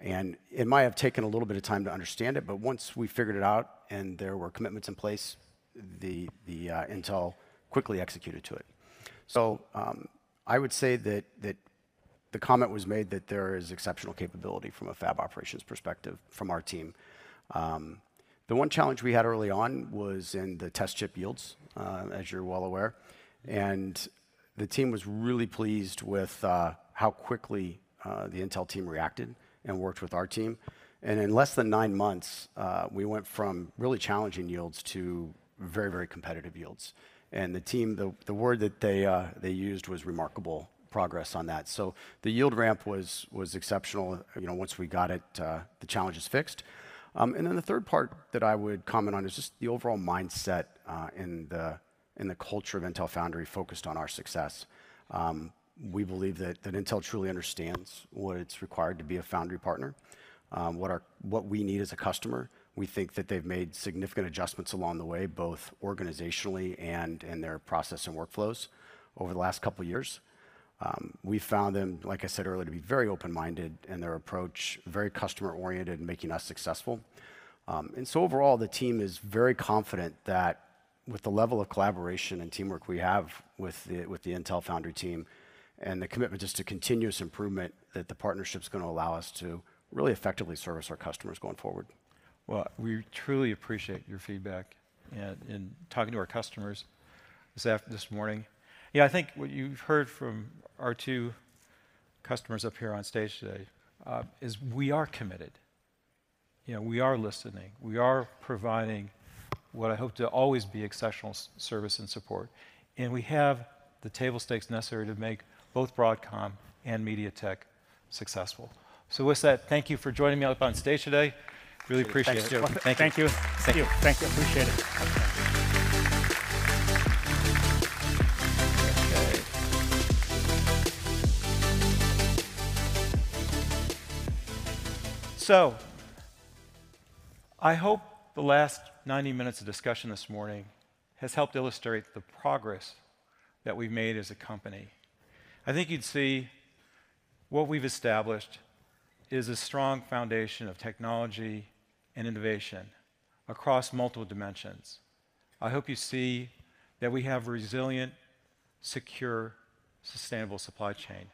And it might have taken a little bit of time to understand it, but once we figured it out and there were commitments in place, Intel quickly executed to it. So, I would say that, that the comment was made that there is exceptional capability from a fab operations perspective from our team. The one challenge we had early on was in the test chip yields, as you're well aware, and the team was really pleased with how quickly the Intel team reacted and worked with our team. In less than nine months, we went from really challenging yields to very, very competitive yields. The team, the word that they used was remarkable progress on that. The yield ramp was exceptional, you know, once we got it, the challenges fixed. Then the third part that I would comment on is just the overall mindset, and the culture of Intel Foundry focused on our success. We believe that Intel truly understands what it's required to be a foundry partner, what we need as a customer. We think that they've made significant adjustments along the way, both organizationally and in their process and workflows over the last couple of years. We found them, like I said earlier, to be very open-minded in their approach, very customer-oriented in making us successful. And so overall, the team is very confident that with the level of collaboration and teamwork we have with the Intel Foundry team and the commitment just to continuous improvement, that the partnership's gonna allow us to really effectively service our customers going forward. Well, we truly appreciate your feedback. In talking to our customers this morning... Yeah, I think what you've heard from our two customers up here on stage today is we are committed, you know, we are listening, we are providing what I hope to always be exceptional service and support, and we have the table stakes necessary to make both Broadcom and MediaTek successful. So with that, thank you for joining me up on stage today. Really appreciate it. Thank you. Thank you. Appreciate it. So I hope the last 90 minutes of discussion this morning has helped illustrate the progress that we've made as a company. I think you'd see what we've established is a strong foundation of technology and innovation across multiple dimensions. I hope you see that we have resilient, secure, sustainable supply chain.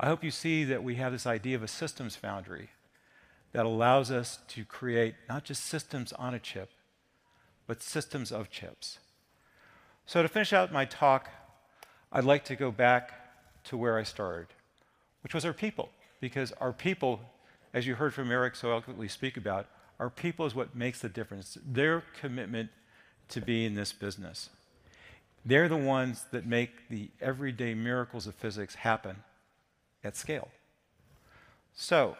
I hope you see that we have this idea of a systems foundry that allows us to create not just systems on a chip, but systems of chips. So to finish out my talk, I'd like to go back to where I started, which was our people. Because our people, as you heard from Eric so eloquently speak about, our people is what makes the difference, their commitment to be in this business. They're the ones that make the everyday miracles of physics happen at scale. So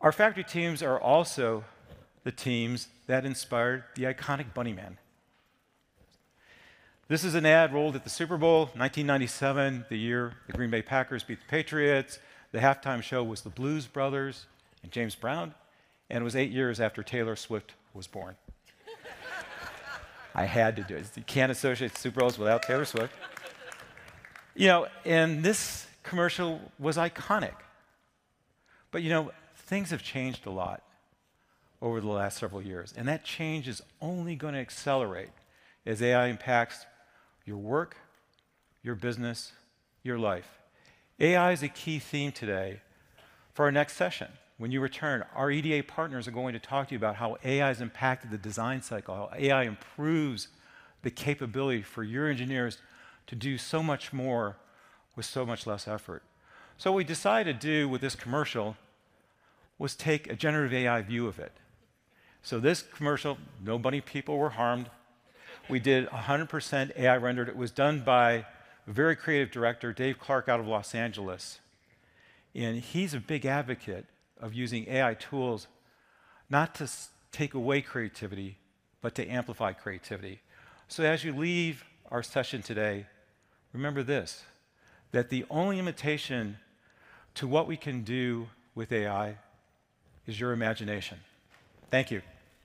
our factory teams are also the teams that inspired the iconic Bunny Man. This is an ad rolled at the Super Bowl, 1997, the year the Green Bay Packers beat the Patriots. The halftime show was the Blues Brothers and James Brown, and it was eight years after Taylor Swift was born. I had to do it. You can't associate the Super Bowls without Taylor Swift. You know, and this commercial was iconic, but, you know, things have changed a lot over the last several years, and that change is only gonna accelerate as AI impacts your work, your business, your life. AI is a key theme today for our next session. When you return, our EDA partners are going to talk to you about how AI has impacted the design cycle, how AI improves the capability for your engineers to do so much more with so much less effort. So what we decided to do with this commercial was take a generative AI view of it. So this commercial, no bunny people were harmed. We did 100% AI rendered. It was done by a very creative director, Dave Clark, out of Los Angeles, and he's a big advocate of using AI tools not to take away creativity, but to amplify creativity. So as you leave our session today, remember this: that the only limitation to what we can do with AI is your imagination. Thank you.